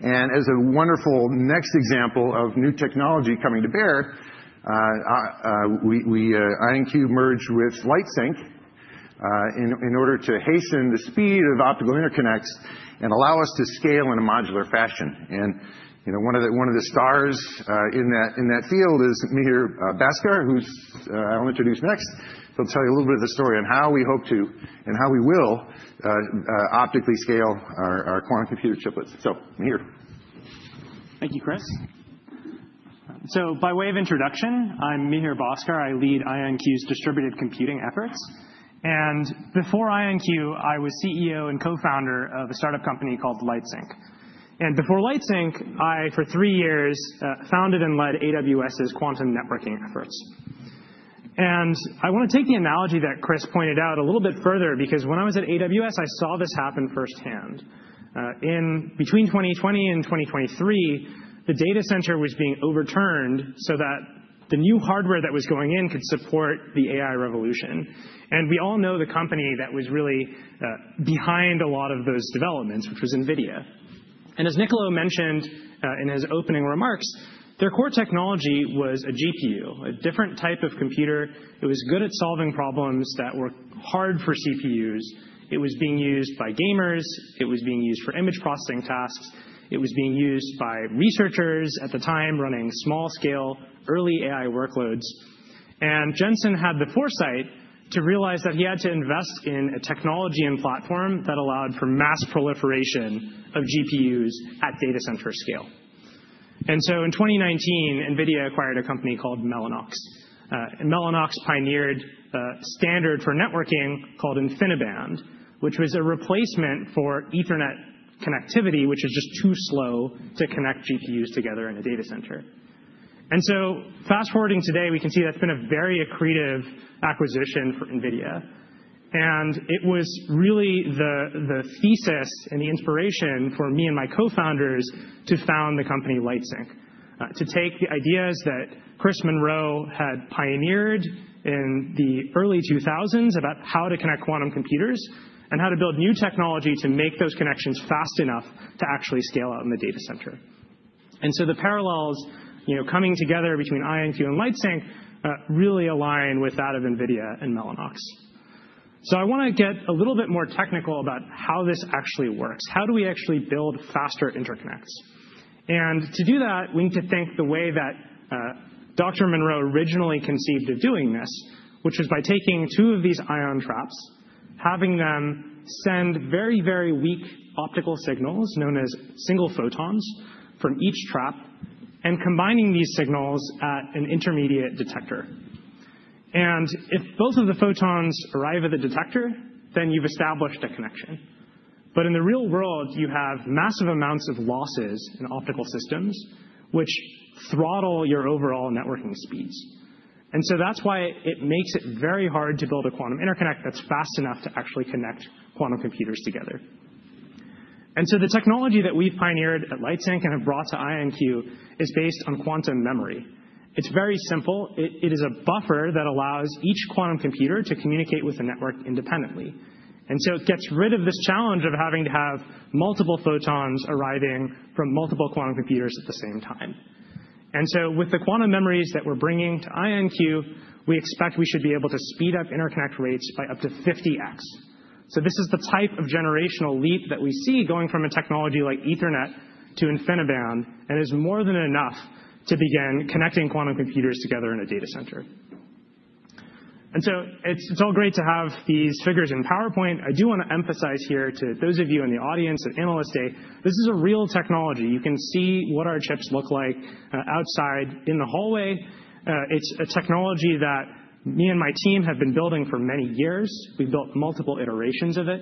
As a wonderful next example of new technology coming to bear, IonQ merged with LightSync in order to hasten the speed of optical interconnects and allow us to scale in a modular fashion. One of the stars in that field is Mihir Bhaskar, who I'll introduce next. He'll tell you a little bit of the story on how we hope to and how we will optically scale our quantum computer chiplets. So, Mihir. Thank you, Chris. So by way of introduction, I'm Mihir Bhaskar. I lead IonQ's distributed computing efforts. And before IonQ, I was CEO and co-founder of a startup company called LightSync. And before LightSync, I, for three years, founded and led AWS's quantum networking efforts. And I want to take the analogy that Chris pointed out a little bit further because when I was at AWS, I saw this happen firsthand. In between 2020 and 2023, the data center was being overturned so that the new hardware that was going in could support the AI revolution. And we all know the company that was really behind a lot of those developments, which was NVIDIA. And as Niccolo mentioned in his opening remarks, their core technology was a GPU, a different type of computer. It was good at solving problems that were hard for CPUs. It was being used by gamers. It was being used for image processing tasks. It was being used by researchers at the time running small-scale, early AI workloads, and Jensen had the foresight to realize that he had to invest in a technology and platform that allowed for mass proliferation of GPUs at data center scale, and so in 2019, NVIDIA acquired a company called Mellanox, and Mellanox pioneered a standard for networking called InfiniBand, which was a replacement for Ethernet connectivity, which is just too slow to connect GPUs together in a data center, and so fast forwarding today, we can see that's been a very accretive acquisition for NVIDIA. It was really the thesis and the inspiration for me and my co-founders to found the company LightSync, to take the ideas that Chris Monroe had pioneered in the early 2000s about how to connect quantum computers and how to build new technology to make those connections fast enough to actually scale out in the data center. And so the parallels coming together between IonQ and LightSync really align with that of NVIDIA and Mellanox. So I want to get a little bit more technical about how this actually works. How do we actually build faster interconnects? And to do that, we need to think the way that Dr. Monroe originally conceived of doing this, which was by taking two of these ion traps, having them send very, very weak optical signals known as single photons from each trap, and combining these signals at an intermediate detector. If both of the photons arrive at the detector, then you've established a connection. In the real world, you have massive amounts of losses in optical systems, which throttle your overall networking speeds. That's why it makes it very hard to build a quantum interconnect that's fast enough to actually connect quantum computers together. The technology that we've pioneered at LightSync and have brought to IonQ is based on quantum memory. It's very simple. It is a buffer that allows each quantum computer to communicate with the network independently. It gets rid of this challenge of having to have multiple photons arriving from multiple quantum computers at the same time. With the quantum memories that we're bringing to IonQ, we expect we should be able to speed up interconnect rates by up to 50x. So this is the type of generational leap that we see going from a technology like Ethernet to InfiniBand, and is more than enough to begin connecting quantum computers together in a data center. And so it's all great to have these figures in PowerPoint. I do want to emphasize here to those of you in the audience at Analyst Day, this is a real technology. You can see what our chips look like outside in the hallway. It's a technology that me and my team have been building for many years. We've built multiple iterations of it.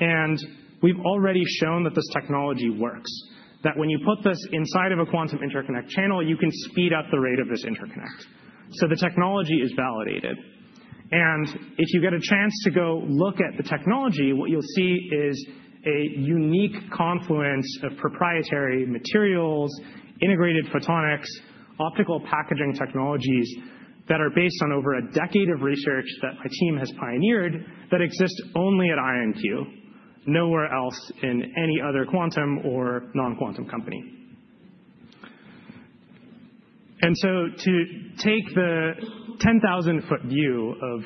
And we've already shown that this technology works, that when you put this inside of a quantum interconnect channel, you can speed up the rate of this interconnect. So the technology is validated. And if you get a chance to go look at the technology, what you'll see is a unique confluence of proprietary materials, integrated photonics, optical packaging technologies that are based on over a decade of research that my team has pioneered that exists only at IonQ, nowhere else in any other quantum or non-quantum company. And so to take the 10,000-foot view of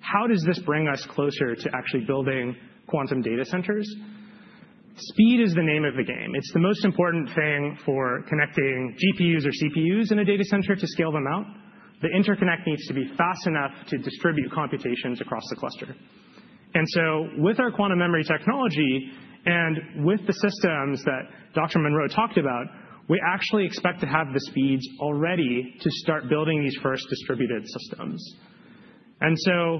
how does this bring us closer to actually building quantum data centers, speed is the name of the game. It's the most important thing for connecting GPUs or CPUs in a data center to scale them out. The interconnect needs to be fast enough to distribute computations across the cluster. And so with our quantum memory technology and with the systems that Dr. Monroe talked about, we actually expect to have the speeds already to start building these first distributed systems. And so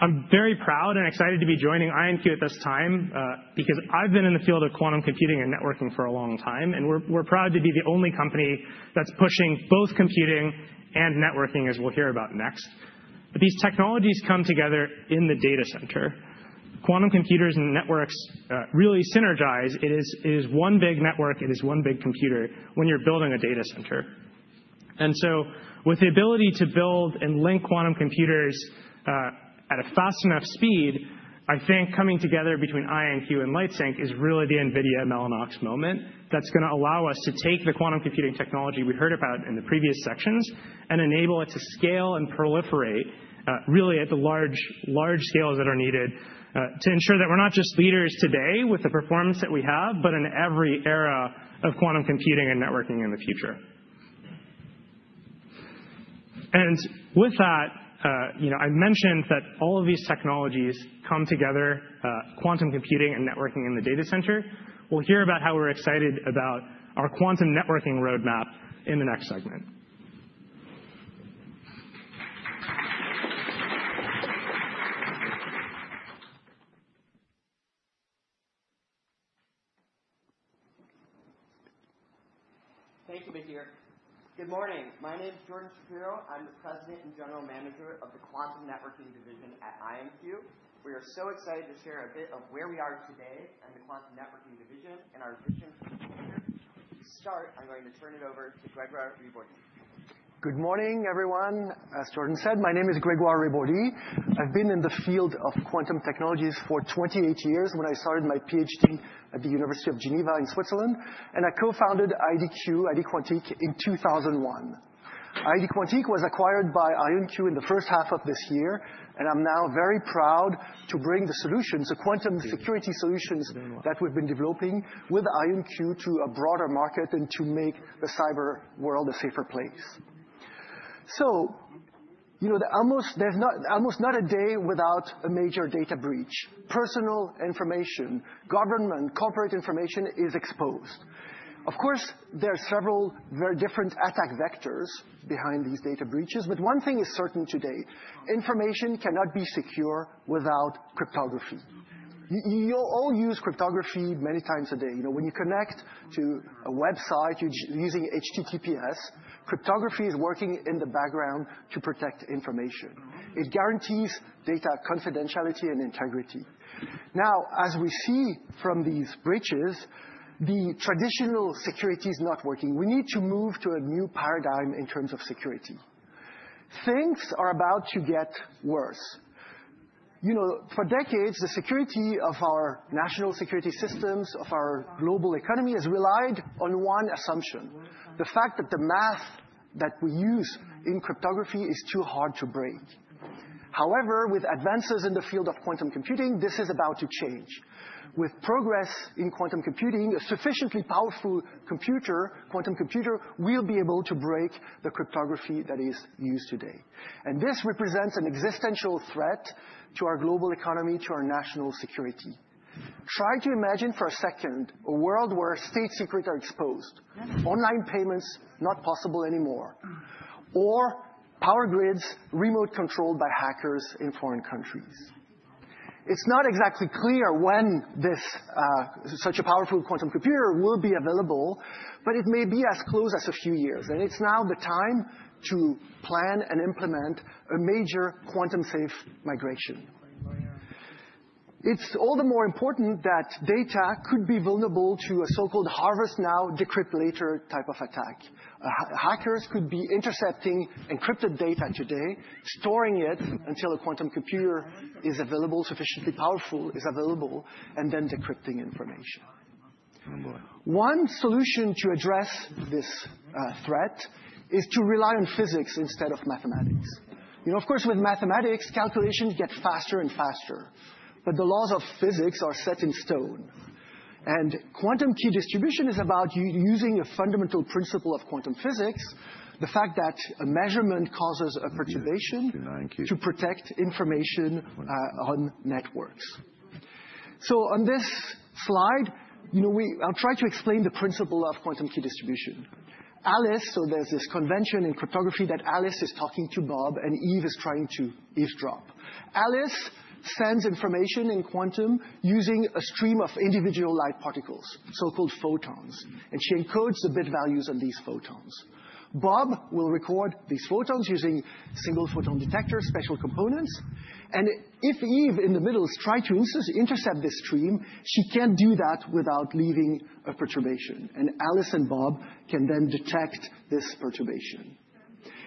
I'm very proud and excited to be joining IonQ at this time because I've been in the field of quantum computing and networking for a long time. And we're proud to be the only company that's pushing both computing and networking, as we'll hear about next. But these technologies come together in the data center. Quantum computers and networks really synergize. It is one big network. It is one big computer when you're building a data center. And so with the ability to build and link quantum computers at a fast enough speed, I think coming together between IonQ and LightSync is really the NVIDIA Mellanox moment that's going to allow us to take the quantum computing technology we heard about in the previous sections and enable it to scale and proliferate really at the large scales that are needed to ensure that we're not just leaders today with the performance that we have, but in every era of quantum computing and networking in the future. And with that, I mentioned that all of these technologies come together, quantum computing and networking in the data center. We'll hear about how we're excited about our quantum networking roadmap in the next segment. Thank you, Mihir. Good morning. My name is Jordan Shapiro. I'm the President and General Manager of the Quantum Networking Division at IonQ. We are so excited to share a bit of where we are today and the Quantum Networking Division and our vision for the future. To start, I'm going to turn it over to Grégoire Ribordy. Good morning, everyone. As Jordan said, my name is Grégoire Ribordy. I've been in the field of quantum technologies for 28 years when I started my PhD at the University of Geneva in Switzerland, and I co-founded IDQ, ID Quantique, in 2001. ID Quantique was acquired by IonQ in the first half of this year, and I'm now very proud to bring the solutions, the quantum security solutions that we've been developing with IonQ to a broader market and to make the cyber world a safer place. There's almost not a day without a major data breach. Personal information, government, corporate information is exposed. Of course, there are several very different attack vectors behind these data breaches. But one thing is certain today, information cannot be secure without cryptography. You all use cryptography many times a day. When you connect to a website using HTTPS, cryptography is working in the background to protect information. It guarantees data confidentiality and integrity. Now, as we see from these breaches, the traditional security is not working. We need to move to a new paradigm in terms of security. Things are about to get worse. For decades, the security of our national security systems, of our global economy, has relied on one assumption, the fact that the math that we use in cryptography is too hard to break. However, with advances in the field of quantum computing, this is about to change. With progress in quantum computing, a sufficiently powerful quantum computer will be able to break the cryptography that is used today, and this represents an existential threat to our global economy, to our national security. Try to imagine for a second a world where state secrets are exposed, online payments not possible anymore, or power grids remote-controlled by hackers in foreign countries. It's not exactly clear when such a powerful quantum computer will be available, but it may be as close as a few years, and it's now the time to plan and implement a major quantum-safe migration. It's all the more important that data could be vulnerable to a so-called harvest now, decrypt later type of attack. Hackers could be intercepting encrypted data today, storing it until a quantum computer is available, sufficiently powerful, and then decrypting information. One solution to address this threat is to rely on physics instead of mathematics. Of course, with mathematics, calculations get faster and faster, but the laws of physics are set in stone. Quantum key distribution is about using a fundamental principle of quantum physics, the fact that a measurement causes a perturbation to protect information on networks. On this slide, I'll try to explain the principle of quantum key distribution. Alice, so there's this convention in cryptography that Alice is talking to Bob, and Eve is trying to eavesdrop. Alice sends information in quantum using a stream of individual light particles, so-called photons. And she encodes the bit values on these photons. Bob will record these photons using single photon detectors, special components. And if Eve, in the middle, is trying to intercept this stream, she can't do that without leaving a perturbation. Alice and Bob can then detect this perturbation.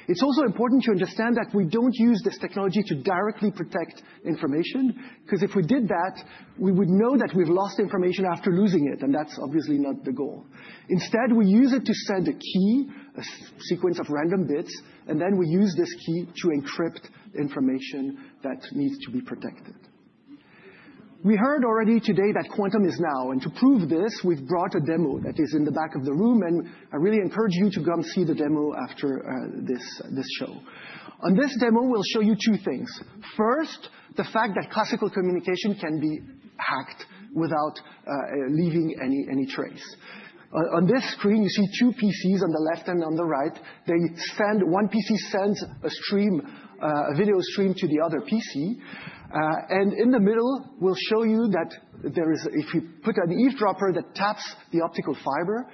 It's also important to understand that we don't use this technology to directly protect information because if we did that, we would know that we've lost information after losing it. And that's obviously not the goal. Instead, we use it to send a key, a sequence of random bits, and then we use this key to encrypt information that needs to be protected. We heard already today that quantum is now, and to prove this, we've brought a demo that is in the back of the room, and I really encourage you to come see the demo after this show. On this demo, we'll show you two things. First, the fact that classical communication can be hacked without leaving any trace. On this screen, you see two PCs on the left and on the right. One PC sends a video stream to the other PC. In the middle, we'll show you that if we put an eavesdropper that taps the optical fiber,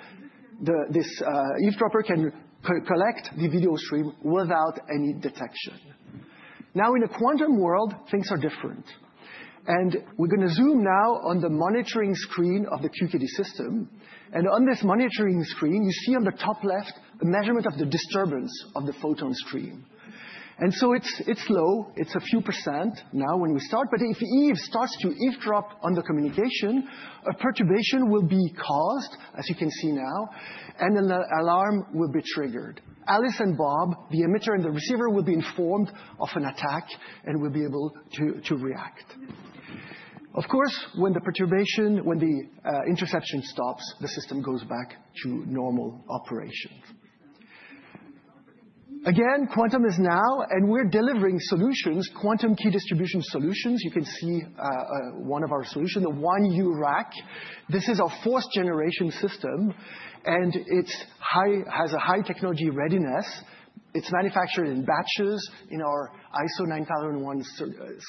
this eavesdropper can collect the video stream without any detection. Now, in a quantum world, things are different. We're going to zoom now on the monitoring screen of the QKD system. On this monitoring screen, you see on the top left a measurement of the disturbance of the photon stream. It's low. It's a few percent now when we start. If Eve starts to eavesdrop on the communication, a perturbation will be caused, as you can see now, and an alarm will be triggered. Alice and Bob, the emitter and the receiver, will be informed of an attack and will be able to react. Of course, when the interception stops, the system goes back to normal operations. Again, quantum is now. We're delivering solutions, quantum key distribution solutions. You can see one of our solutions, the 1U rack. This is our fourth-generation system. It has a high technology readiness. It's manufactured in batches in our ISO 9001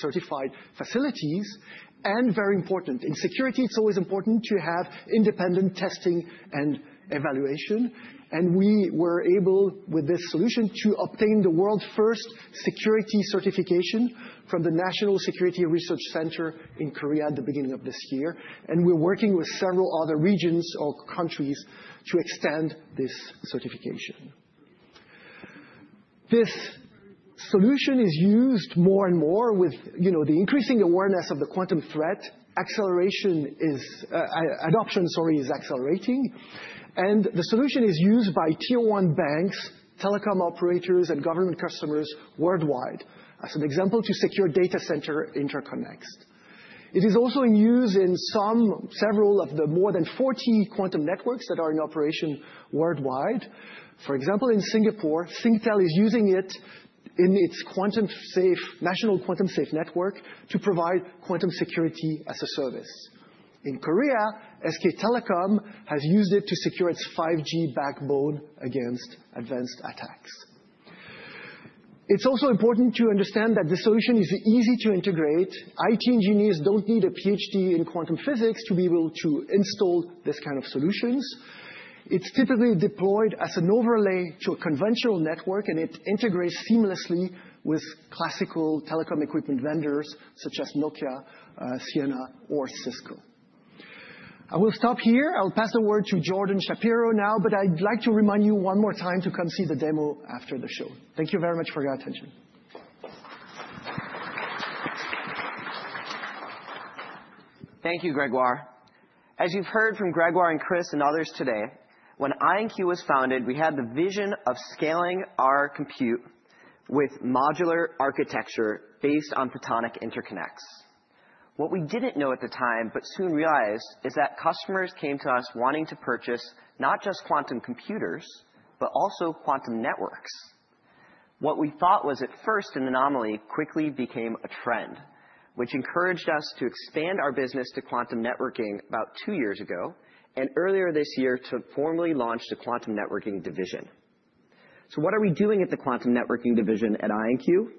certified facilities. Very important, in security, it's always important to have independent testing and evaluation. We were able, with this solution, to obtain the world's first security certification from the National Security Research Institute in Korea at the beginning of this year. We're working with several other regions or countries to extend this certification. This solution is used more and more with the increasing awareness of the quantum threat. Adoption, sorry, is accelerating. The solution is used by tier-one banks, telecom operators, and government customers worldwide as an example to secure data center interconnects. It is also in use in several of the more than 40 quantum networks that are in operation worldwide. For example, in Singapore, Singtel is using it in its national quantum safe network to provide quantum security as a service. In Korea, SK Telecom has used it to secure its 5G backbone against advanced attacks. It's also important to understand that this solution is easy to integrate. IT engineers don't need a PhD in quantum physics to be able to install this kind of solutions. It's typically deployed as an overlay to a conventional network, and it integrates seamlessly with classical telecom equipment vendors such as Nokia, Ciena, or Cisco. I will stop here. I'll pass the word to Jordan Shapiro now, but I'd like to remind you one more time to come see the demo after the show. Thank you very much for your attention. Thank you, Grégoire. As you've heard from Grégoire and Chris and others today, when IonQ was founded, we had the vision of scaling our compute with modular architecture based on photonic interconnects. What we didn't know at the time but soon realized is that customers came to us wanting to purchase not just quantum computers, but also quantum networks. What we thought was at first an anomaly quickly became a trend, which encouraged us to expand our business to quantum networking about two years ago, and earlier this year, to formally launch the Quantum Networking Division. So what are we doing at the Quantum Networking Division at IonQ?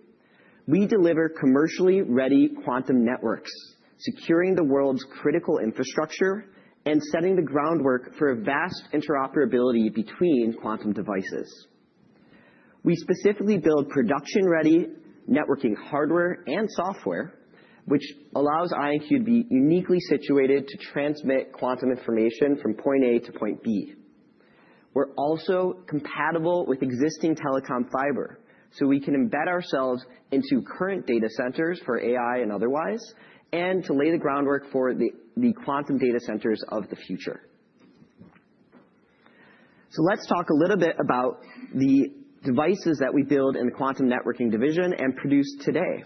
We deliver commercially ready quantum networks, securing the world's critical infrastructure and setting the groundwork for a vast interoperability between quantum devices. We specifically build production-ready networking hardware and software, which allows IonQ to be uniquely situated to transmit quantum information from point A to point B. We're also compatible with existing telecom fiber, so we can embed ourselves into current data centers for AI and otherwise, and to lay the groundwork for the quantum data centers of the future. So let's talk a little bit about the devices that we build in the Quantum Networking Division and produce today.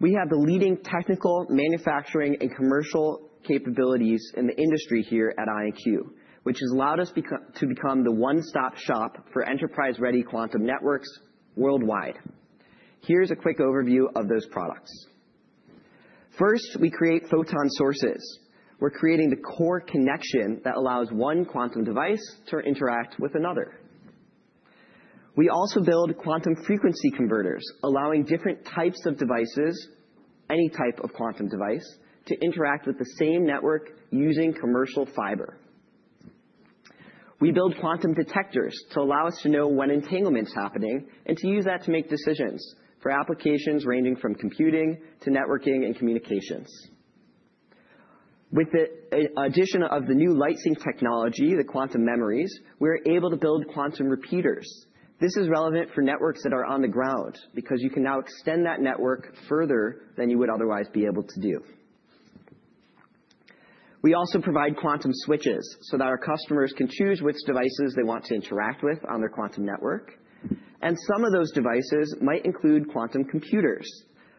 We have the leading technical, manufacturing, and commercial capabilities in the industry here at IonQ, which has allowed us to become the one-stop shop for enterprise-ready quantum networks worldwide. Here's a quick overview of those products. First, we create photon sources. We're creating the core connection that allows one quantum device to interact with another. We also build quantum frequency converters, allowing different types of devices, any type of quantum device, to interact with the same network using commercial fiber. We build quantum detectors to allow us to know when entanglement is happening and to use that to make decisions for applications ranging from computing to networking and communications. With the addition of the new LightSync technology, the quantum memories, we're able to build quantum repeaters. This is relevant for networks that are on the ground because you can now extend that network further than you would otherwise be able to do. We also provide quantum switches so that our customers can choose which devices they want to interact with on their quantum network, and some of those devices might include quantum computers.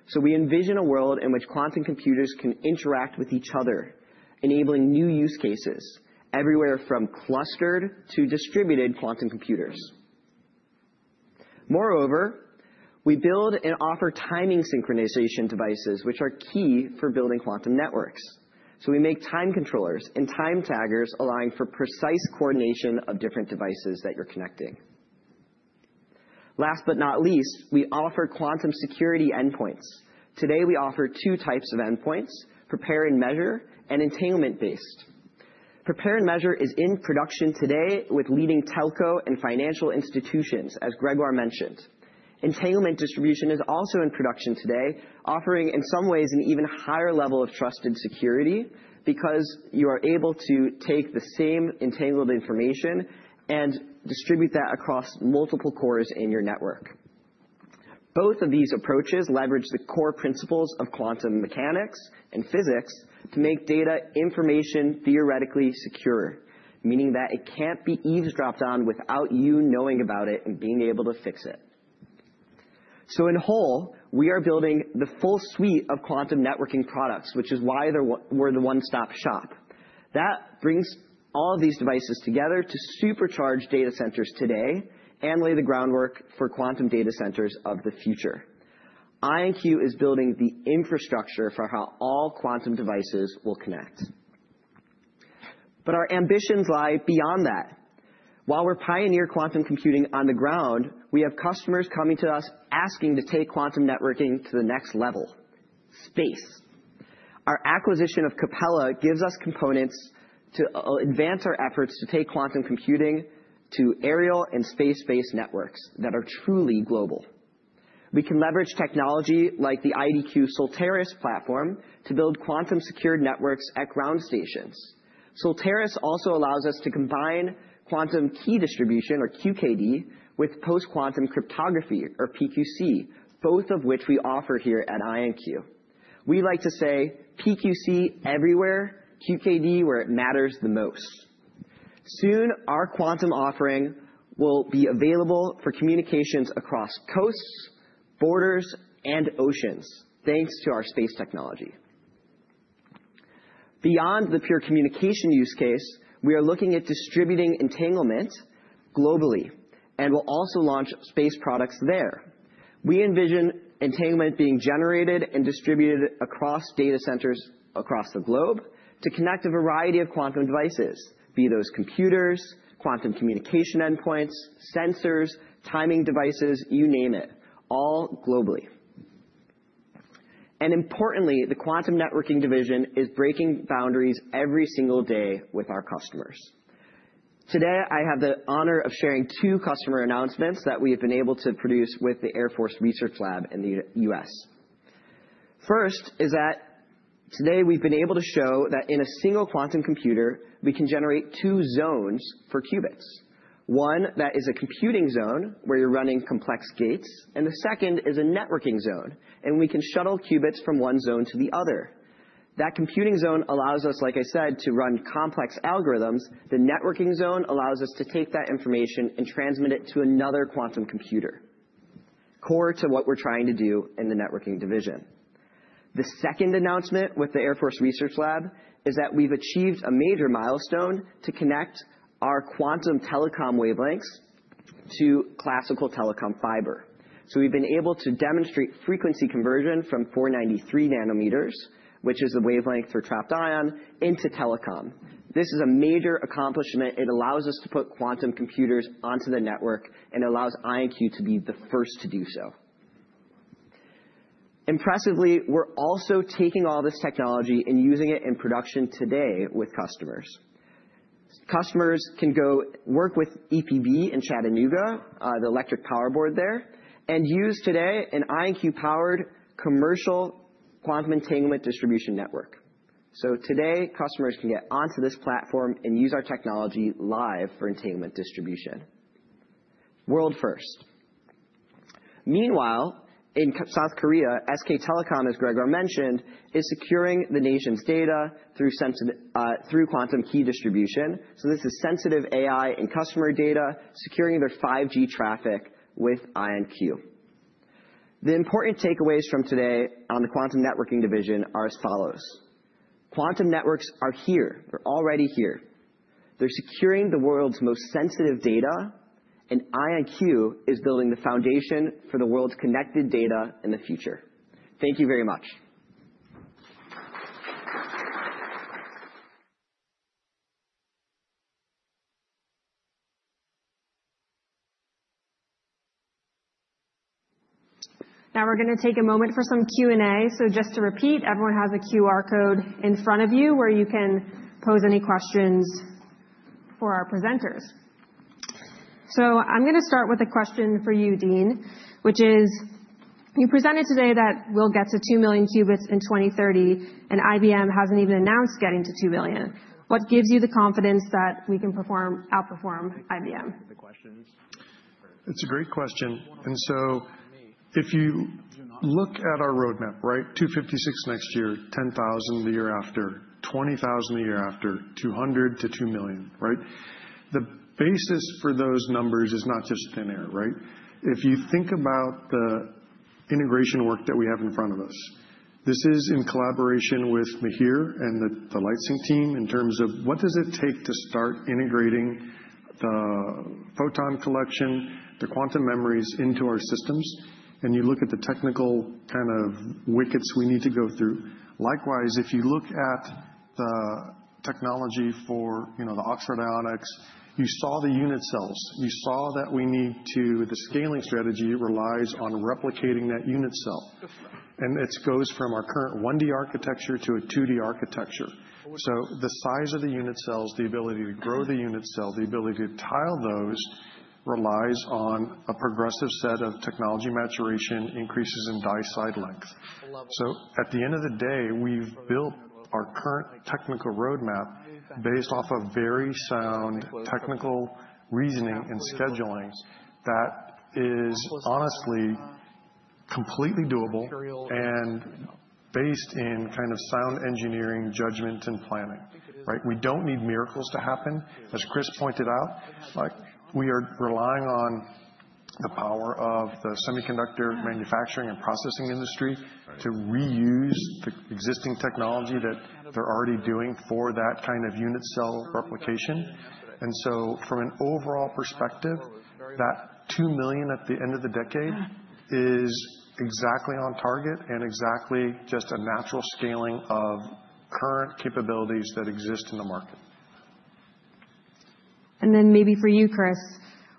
So we envision a world in which quantum computers can interact with each other, enabling new use cases everywhere from clustered to distributed quantum computers. Moreover, we build and offer timing synchronization devices, which are key for building quantum networks. So we make time controllers and time taggers, allowing for precise coordination of different devices that you're connecting. Last but not least, we offer quantum security endpoints. Today, we offer two types of endpoints: prepare and measure and entanglement-based. Prepare and measure is in production today with leading telco and financial institutions, as Grégoire mentioned. Entanglement distribution is also in production today, offering, in some ways, an even higher level of trusted security because you are able to take the same entangled information and distribute that across multiple cores in your network. Both of these approaches leverage the core principles of quantum mechanics and physics to make data information theoretically secure, meaning that it can't be eavesdropped on without you knowing about it and being able to fix it. So in whole, we are building the full suite of quantum networking products, which is why we're the one-stop shop. That brings all of these devices together to supercharge data centers today and lay the groundwork for quantum data centers of the future. IonQ is building the infrastructure for how all quantum devices will connect. But our ambitions lie beyond that. While we're pioneering quantum computing on the ground, we have customers coming to us asking to take quantum networking to the next level: space. Our acquisition of Capella gives us components to advance our efforts to take quantum computing to aerial and space-based networks that are truly global. We can leverage technology like the IDQ Centauris platform to build quantum-secured networks at ground stations. Cerberis also allows us to combine quantum key distribution, or QKD, with post-quantum cryptography, or PQC, both of which we offer here at IonQ. We like to say, "PQC everywhere, QKD where it matters the most." Soon, our quantum offering will be available for communications across coasts, borders, and oceans, thanks to our space technology. Beyond the pure communication use case, we are looking at distributing entanglement globally and will also launch space products there. We envision entanglement being generated and distributed across data centers across the globe to connect a variety of quantum devices, be those computers, quantum communication endpoints, sensors, timing devices, you name it, all globally. Importantly, the Quantum Networking Division is breaking boundaries every single day with our customers. Today, I have the honor of sharing two customer announcements that we have been able to produce with the Air Force Research Lab in the U.S. First is that today, we've been able to show that in a single quantum computer, we can generate two zones for qubits. One that is a computing zone where you're running complex gates. And the second is a networking zone. And we can shuttle qubits from one zone to the other. That computing zone allows us, like I said, to run complex algorithms. The networking zone allows us to take that information and transmit it to another quantum computer, core to what we're trying to do in the Networking Division. The second announcement with the Air Force Research Lab is that we've achieved a major milestone to connect our quantum telecom wavelengths to classical telecom fiber. We've been able to demonstrate frequency conversion from 493 nanometers, which is the wavelength for trapped ion, into telecom. This is a major accomplishment. It allows us to put quantum computers onto the network. And it allows IonQ to be the first to do so. Impressively, we're also taking all this technology and using it in production today with customers. Customers can go work with EPB in Chattanooga, the Electric Power Board there, and use today an IonQ-powered commercial quantum entanglement distribution network. So today, customers can get onto this platform and use our technology live for entanglement distribution. World first. Meanwhile, in South Korea, SK Telecom, as Grégoire mentioned, is securing the nation's data through quantum key distribution. So this is sensitive AI and customer data securing their 5G traffic with IonQ. The important takeaways from today on the Quantum Networking Division are as follows. Quantum networks are here. They're already here. They're securing the world's most sensitive data, and IonQ is building the foundation for the world's connected data in the future. Thank you very much. Now, we're going to take a moment for some Q&A. So just to repeat, everyone has a QR code in front of you where you can pose any questions for our presenters. So I'm going to start with a question for you, Dean, which is, you presented today that we'll get to 2 million qubits in 2030. And IBM hasn't even announced getting to 2 million. What gives you the confidence that we can outperform IBM? It's a great question. And so if you look at our roadmap, right, 256 next year, 10,000 the year after, 20,000 the year after, 200-2 million, right? The basis for those numbers is not just thin air, right? If you think about the integration work that we have in front of us, this is in collaboration with Mihir and the LightSync team in terms of what does it take to start integrating the photon collection, the quantum memories into our systems. And you look at the technical kind of wickets we need to go through. Likewise, if you look at the technology for the Oxford Ionics, you saw the unit cells. You saw that we need to, the scaling strategy relies on replicating that unit cell. And it goes from our current 1D architecture to a 2D architecture. The size of the unit cells, the ability to grow the unit cell, the ability to tile those relies on a progressive set of technology maturation, increases in die side length. At the end of the day, we've built our current technical roadmap based off of very sound technical reasoning and scheduling that is honestly completely doable and based in kind of sound engineering judgment and planning, right? We don't need miracles to happen. As Chris pointed out, we are relying on the power of the semiconductor manufacturing and processing industry to reuse the existing technology that they're already doing for that kind of unit cell replication. From an overall perspective, that 2 million at the end of the decade is exactly on target and exactly just a natural scaling of current capabilities that exist in the market. And then maybe for you, Chris,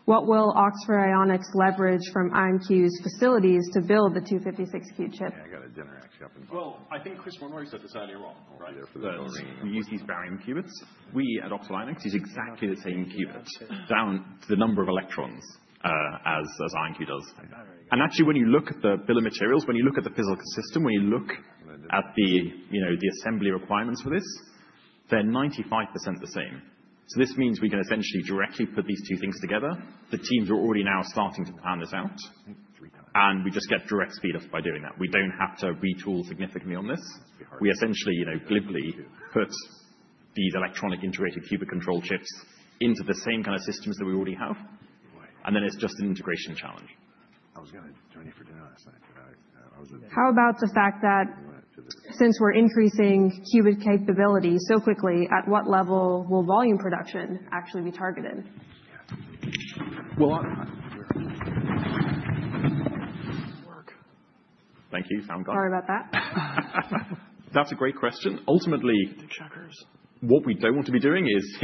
what will Oxford Ionics leverage from IonQ's facilities to build the 256-qubit chip? Yeah, I got a dinner actually up in Boston. I think Chris Monroe said this earlier on, right? Yeah, for the. We use these barium qubits. We at Oxford Ionics use exactly the same qubits down to the number of electrons as IonQ does. Actually, when you look at the bill of materials, when you look at the physical system, when you look at the assembly requirements for this, they're 95% the same. This means we can essentially directly put these two things together. The teams are already now starting to plan this out. We just get direct speed up by doing that. We don't have to retool significantly on this. We essentially simply put these electronic integrated qubit control chips into the same kind of systems that we already have. Then it's just an integration challenge. I was going to join you for dinner last night. How about the fact that since we're increasing qubit capability so quickly, at what level will volume production actually be targeted? Well. Thank you. Sound good? Sorry about that. That's a great question. Ultimately, what we don't want to be doing is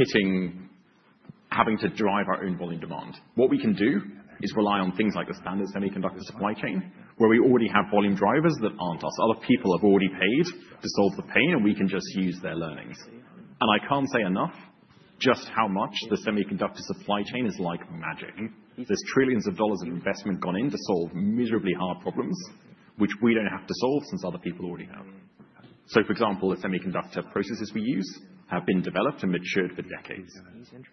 having to drive our own volume demand. What we can do is rely on things like the standard semiconductor supply chain, where we already have volume drivers that aren't us. Other people have already paid to solve the pain, and we can just use their learnings, and I can't say enough just how much the semiconductor supply chain is like magic. There's trillions of dollars of investment gone in to solve miserably hard problems, which we don't have to solve since other people already have, so for example, the semiconductor processes we use have been developed and matured for decades.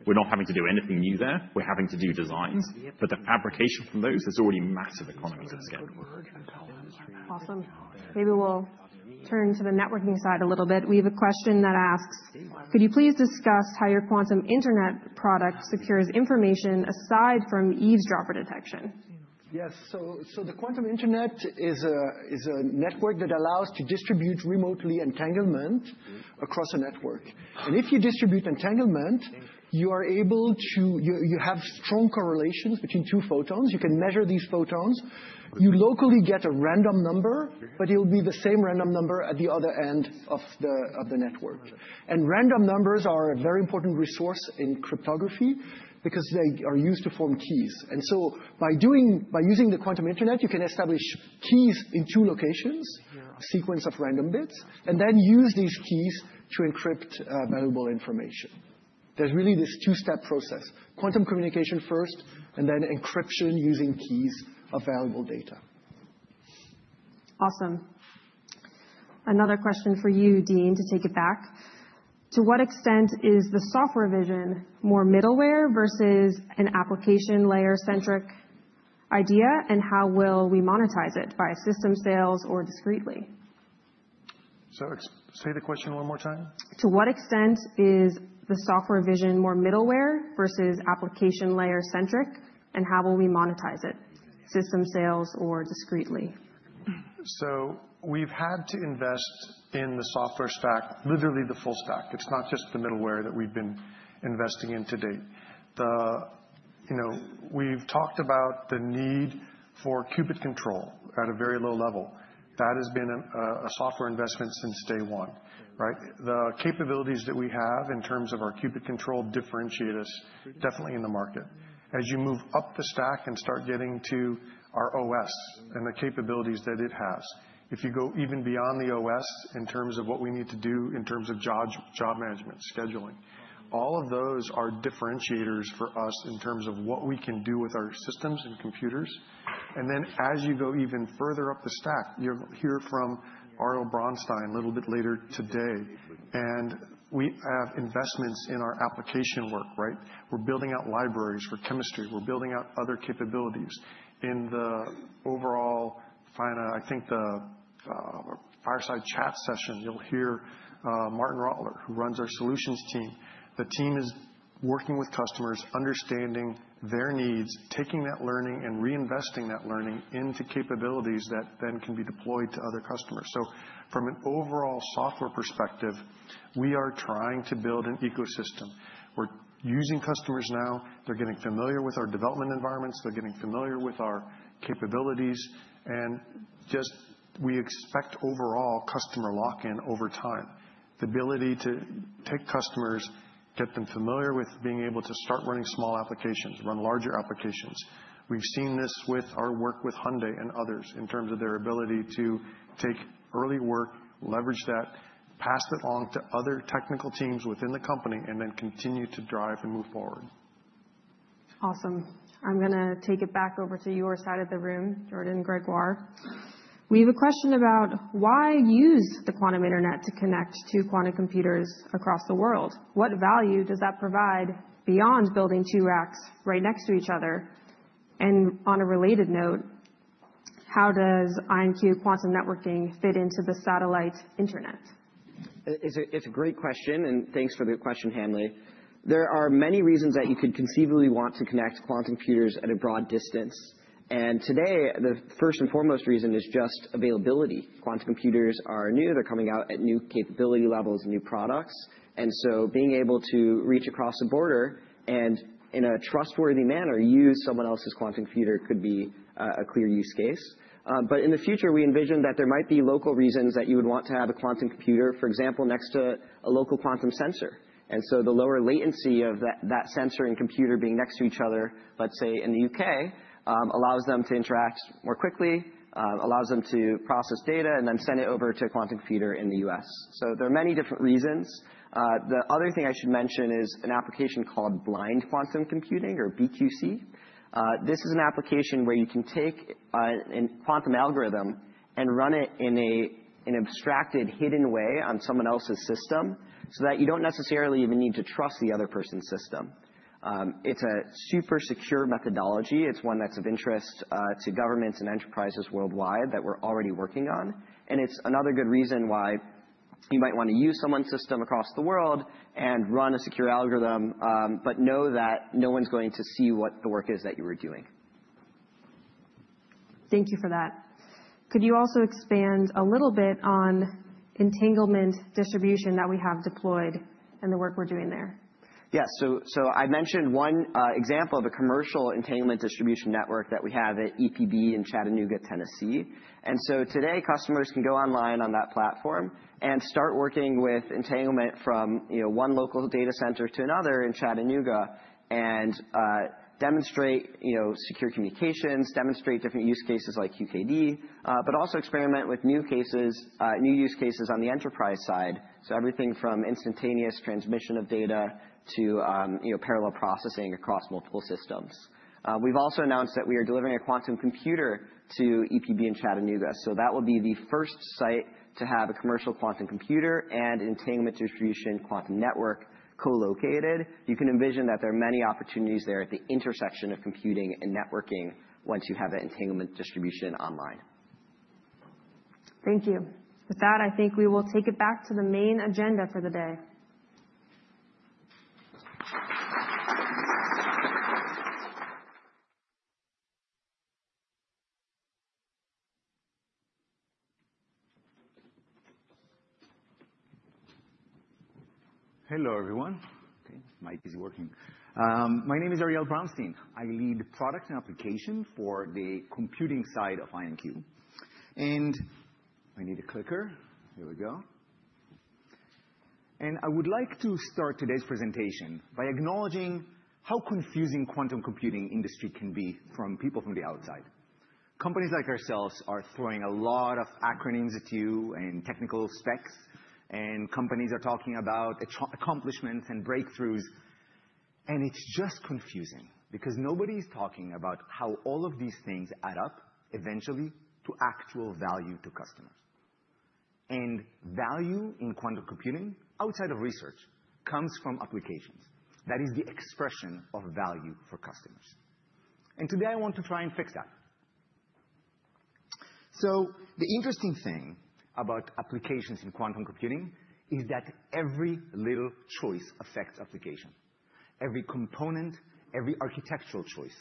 We're not having to do anything new there. We're having to do designs, but the fabrication from those is already massive economies of scale. Awesome. Maybe we'll turn to the networking side a little bit. We have a question that asks, could you please discuss how your quantum internet product secures information aside from eavesdropper detection? Yes. So the quantum internet is a network that allows to distribute remotely entanglement across a network. And if you distribute entanglement, you have strong correlations between two photons. You can measure these photons. You locally get a random number, but it'll be the same random number at the other end of the network. And random numbers are a very important resource in cryptography because they are used to form keys. And so by using the quantum internet, you can establish keys in two locations, a sequence of random bits, and then use these keys to encrypt valuable information. There's really this two-step process: quantum communication first, and then encryption using keys of valuable data. Awesome. Another question for you, Dean, to take it back. To what extent is the software vision more middleware versus an application layer-centric idea? And how will we monetize it by system sales or discretely? Say the question one more time. To what extent is the software vision more middleware versus application layer-centric, and how will we monetize it, system sales or discretely? We've had to invest in the software stack, literally the full stack. It's not just the middleware that we've been investing in to date. We've talked about the need for qubit control at a very low level. That has been a software investment since day one, right? The capabilities that we have in terms of our qubit control differentiate us definitely in the market. As you move up the stack and start getting to our OS and the capabilities that it has, if you go even beyond the OS in terms of what we need to do in terms of job management, scheduling, all of those are differentiators for us in terms of what we can do with our systems and computers. And then as you go even further up the stack, you'll hear from Ariel Braunstein a little bit later today. We have investments in our application work, right? We're building out libraries for chemistry. We're building out other capabilities. In the overall, I think the Fireside Chat session, you'll hear Martin Roetteler, who runs our solutions team. The team is working with customers, understanding their needs, taking that learning and reinvesting that learning into capabilities that then can be deployed to other customers. From an overall software perspective, we are trying to build an ecosystem. We're using customers now. They're getting familiar with our development environments. They're getting familiar with our capabilities. We just expect overall customer lock-in over time, the ability to take customers, get them familiar with being able to start running small applications, run larger applications. We've seen this with our work with Hyundai and others in terms of their ability to take early work, leverage that, pass it along to other technical teams within the company, and then continue to drive and move forward. Awesome. I'm going to take it back over to your side of the room, Jordan and Grégoire. We have a question about why use the quantum internet to connect to quantum computers across the world? What value does that provide beyond building two racks right next to each other? And on a related note, how does IonQ quantum networking fit into the satellite internet? It's a great question, and thanks for the question, Hanley. There are many reasons that you could conceivably want to connect quantum computers at a broad distance, and today, the first and foremost reason is just availability. Quantum computers are new. They're coming out at new capability levels and new products, and so being able to reach across the border and in a trustworthy manner use someone else's quantum computer could be a clear use case, but in the future, we envision that there might be local reasons that you would want to have a quantum computer, for example, next to a local quantum sensor, and so the lower latency of that sensor and computer being next to each other, let's say in the U.K., allows them to interact more quickly, allows them to process data, and then send it over to a quantum computer in the U.S. So there are many different reasons. The other thing I should mention is an application called Blind Quantum Computing, or BQC. This is an application where you can take a quantum algorithm and run it in an abstracted, hidden way on someone else's system so that you don't necessarily even need to trust the other person's system. It's a super secure methodology. It's one that's of interest to governments and enterprises worldwide that we're already working on. And it's another good reason why you might want to use someone's system across the world and run a secure algorithm, but know that no one's going to see what the work is that you were doing. Thank you for that. Could you also expand a little bit on entanglement distribution that we have deployed and the work we're doing there? Yes. So I mentioned one example of a commercial entanglement distribution network that we have at EPB in Chattanooga, Tennessee, and so today, customers can go online on that platform and start working with entanglement from one local data center to another in Chattanooga and demonstrate secure communications, demonstrate different use cases like QKD, but also experiment with new use cases on the enterprise side, so everything from instantaneous transmission of data to parallel processing across multiple systems. We've also announced that we are delivering a quantum computer to EPB in Chattanooga, so that will be the first site to have a commercial quantum computer and entanglement distribution quantum network co-located. You can envision that there are many opportunities there at the intersection of computing and networking once you have an entanglement distribution online. Thank you. With that, I think we will take it back to the main agenda for the day. Hello everyone. My mic is working. My name is Ariel Braunstein. I lead product and application for the computing side of IonQ. And I need a clicker. Here we go. And I would like to start today's presentation by acknowledging how confusing the quantum computing industry can be for people from the outside. Companies like ourselves are throwing a lot of acronyms at you and technical specs. And companies are talking about accomplishments and breakthroughs. And it's just confusing because nobody is talking about how all of these things add up eventually to actual value to customers. And value in quantum computing outside of research comes from applications. That is the expression of value for customers. And today, I want to try and fix that. So the interesting thing about applications in quantum computing is that every little choice affects application. Every component, every architectural choice,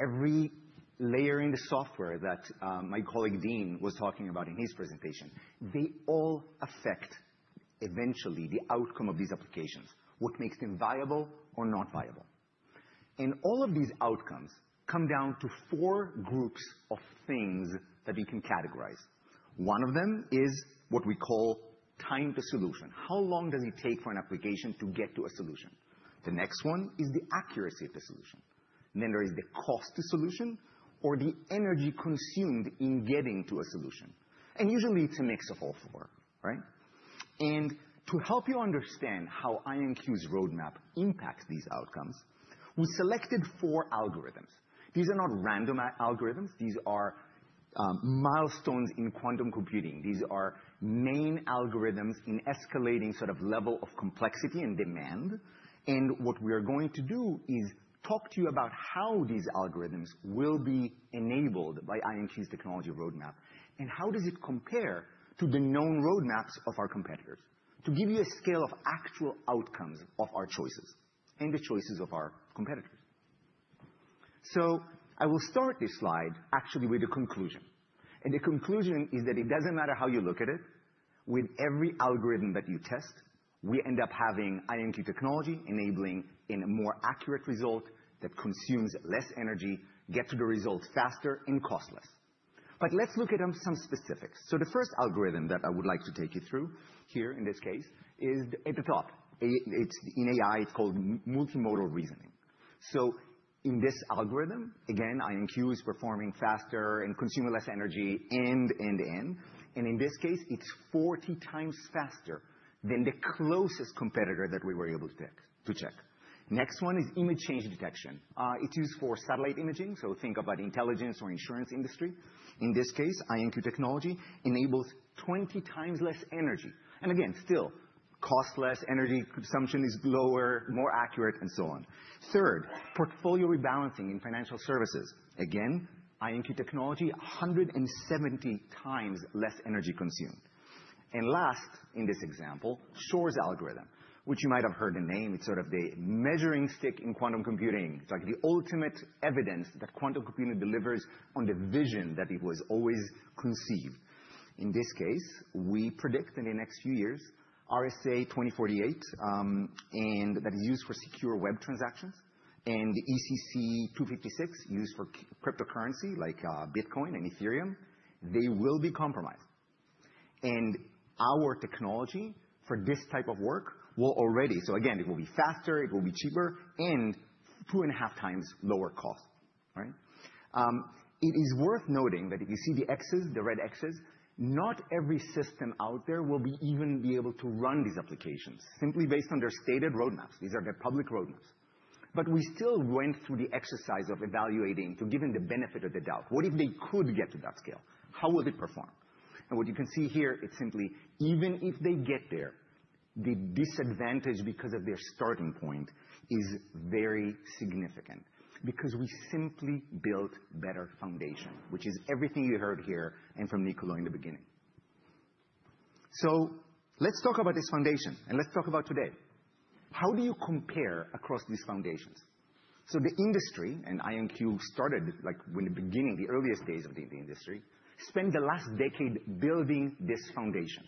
every layer in the software that my colleague Dean was talking about in his presentation, they all affect eventually the outcome of these applications, what makes them viable or not viable, and all of these outcomes come down to four groups of things that we can categorize. One of them is what we call time to solution. How long does it take for an application to get to a solution? The next one is the accuracy of the solution. Then there is the cost to solution or the energy consumed in getting to a solution, and usually, it's a mix of all four, right? To help you understand how IonQ's roadmap impacts these outcomes, we selected four algorithms. These are not random algorithms. These are milestones in quantum computing. These are main algorithms in escalating sort of level of complexity and demand. What we are going to do is talk to you about how these algorithms will be enabled by IonQ's technology roadmap and how does it compare to the known roadmaps of our competitors to give you a scale of actual outcomes of our choices and the choices of our competitors. So I will start this slide actually with a conclusion. And the conclusion is that it doesn't matter how you look at it. With every algorithm that you test, we end up having IonQ technology enabling a more accurate result that consumes less energy, gets to the result faster, and costs less. But let's look at some specifics. So the first algorithm that I would like to take you through here in this case is at the top. In AI, it's called multimodal reasoning. So in this algorithm, again, IonQ is performing faster and consuming less energy end-to-end. And in this case, it's 40 times faster than the closest competitor that we were able to check. Next one is image change detection. It's used for satellite imaging. So think about the intelligence or insurance industry. In this case, IonQ technology enables 20 times less energy. And again, still costs less, energy consumption is lower, more accurate, and so on. Third, portfolio rebalancing in financial services. Again, IonQ technology, 170 times less energy consumed. And last in this example, Shor's algorithm, which you might have heard the name. It's sort of the measuring stick in quantum computing. It's like the ultimate evidence that quantum computing delivers on the vision that it was always conceived. In this case, we predict in the next few years, RSA-2048, and that is used for secure web transactions, and ECC-256 used for cryptocurrency like Bitcoin and Ethereum, they will be compromised, and our technology for this type of work will already, so again, it will be faster, it will be cheaper, and two and a half times lower cost, right? It is worth noting that if you see the X's, the red X's, not every system out there will even be able to run these applications simply based on their stated roadmaps. These are their public roadmaps. But we still went through the exercise of evaluating to give them the benefit of the doubt. What if they could get to that scale? How will it perform? What you can see here, it's simply even if they get there, the disadvantage because of their starting point is very significant because we simply built a better foundation, which is everything you heard here and from Niccolo in the beginning. Let's talk about this foundation. Let's talk about today. How do you compare across these foundations? The industry (and IonQ started in the beginning, the earliest days of the industry) spent the last decade building this foundation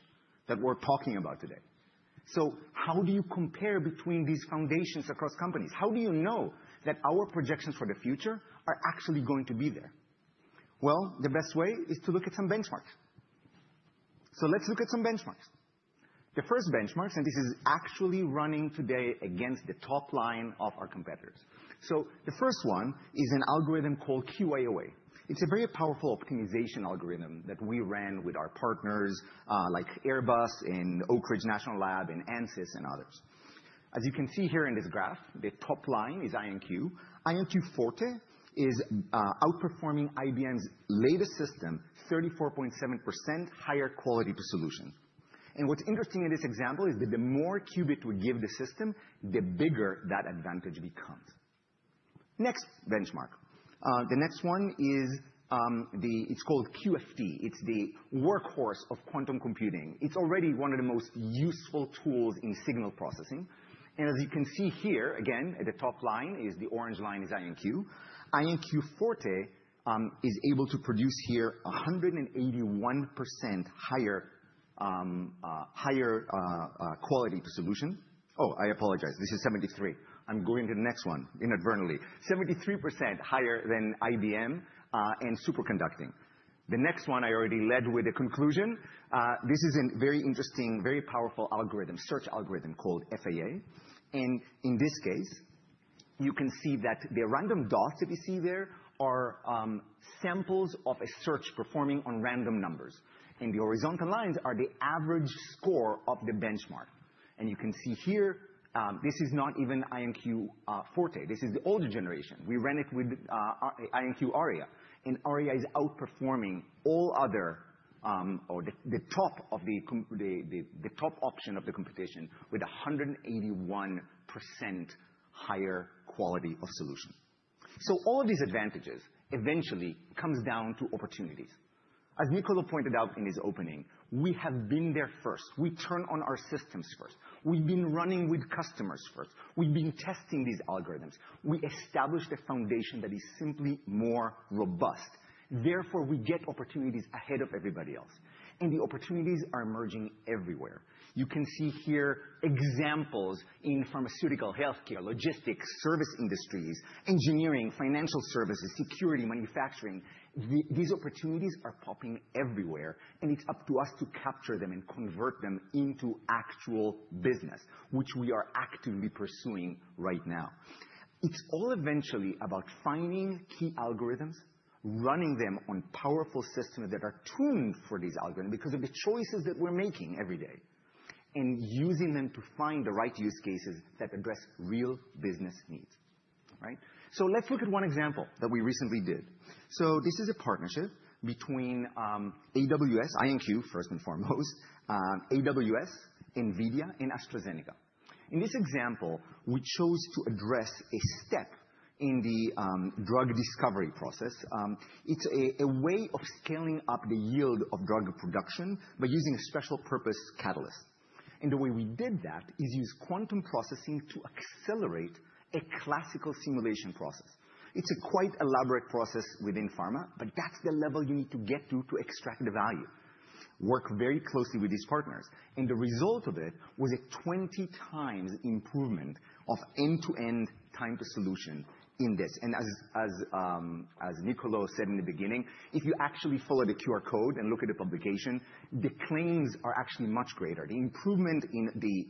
that we're talking about today. How do you compare between these foundations across companies? How do you know that our projections for the future are actually going to be there? The best way is to look at some benchmarks. Let's look at some benchmarks. The first benchmarks (and this is actually running today against the top line of our competitors). So the first one is an algorithm called QAOA. It's a very powerful optimization algorithm that we ran with our partners like Airbus and Oak Ridge National Lab and Ansys and others. As you can see here in this graph, the top line is IonQ. IonQ Forte is outperforming IBM's latest system, 34.7% higher quality to solution. And what's interesting in this example is that the more qubits we give the system, the bigger that advantage becomes. Next benchmark. The next one is—it's called QFT. It's the workhorse of quantum computing. It's already one of the most useful tools in signal processing. And as you can see here, again, at the top line is the orange line is IonQ. IonQ Forte is able to produce here 181% higher quality to solution. Oh, I apologize. This is 73. I'm going to the next one inadvertently. 73% higher than IBM and superconducting. The next one I already led with a conclusion. This is a very interesting, very powerful algorithm, search algorithm called QAA, and in this case, you can see that the random dots that you see there are samples of a search performing on random numbers. The horizontal lines are the average score of the benchmark, and you can see here, this is not even IonQ Forte. This is the older generation. We ran it with IonQ Aria, and Aria is outperforming all other or the top option of the competition with 181% higher quality of solution. All of these advantages eventually come down to opportunities. As Niccolo pointed out in his opening, we have been there first. We turn on our systems first. We've been running with customers first. We've been testing these algorithms. We established a foundation that is simply more robust. Therefore, we get opportunities ahead of everybody else. And the opportunities are emerging everywhere. You can see here examples in pharmaceutical, health care, logistics, service industries, engineering, financial services, security, manufacturing. These opportunities are popping everywhere. And it's up to us to capture them and convert them into actual business, which we are actively pursuing right now. It's all eventually about finding key algorithms, running them on powerful systems that are tuned for these algorithms because of the choices that we're making every day and using them to find the right use cases that address real business needs, right? So let's look at one example that we recently did. So this is a partnership between AWS, IonQ first and foremost, AWS, NVIDIA, and AstraZeneca. In this example, we chose to address a step in the drug discovery process. It's a way of scaling up the yield of drug production by using a special purpose catalyst, and the way we did that is use quantum processing to accelerate a classical simulation process. It's a quite elaborate process within pharma, but that's the level you need to get to to extract the value, work very closely with these partners, and the result of it was a 20 times improvement of end-to-end time to solution in this, and as Niccolo said in the beginning, if you actually follow the QR code and look at the publication, the claims are actually much greater. The improvement in the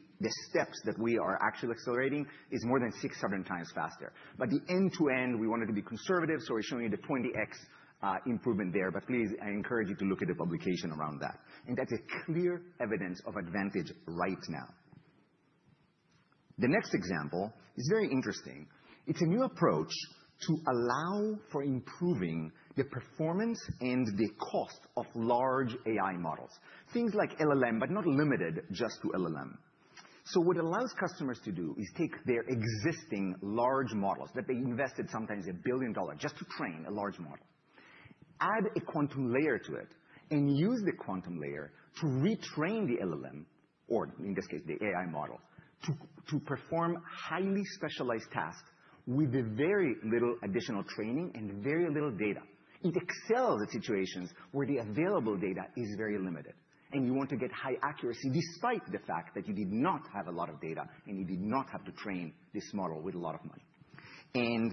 steps that we are actually accelerating is more than 600 times faster, but the end-to-end, we wanted to be conservative, so we're showing you the 20x improvement there, but please, I encourage you to look at the publication around that. That's clear evidence of advantage right now. The next example is very interesting. It's a new approach to allow for improving the performance and the cost of large AI models, things like LLM, but not limited just to LLM. What it allows customers to do is take their existing large models that they invested sometimes $1 billion just to train a large model, add a quantum layer to it, and use the quantum layer to retrain the LLM, or in this case, the AI model, to perform highly specialized tasks with very little additional training and very little data. It excels at situations where the available data is very limited. You want to get high accuracy despite the fact that you did not have a lot of data and you did not have to train this model with a lot of money.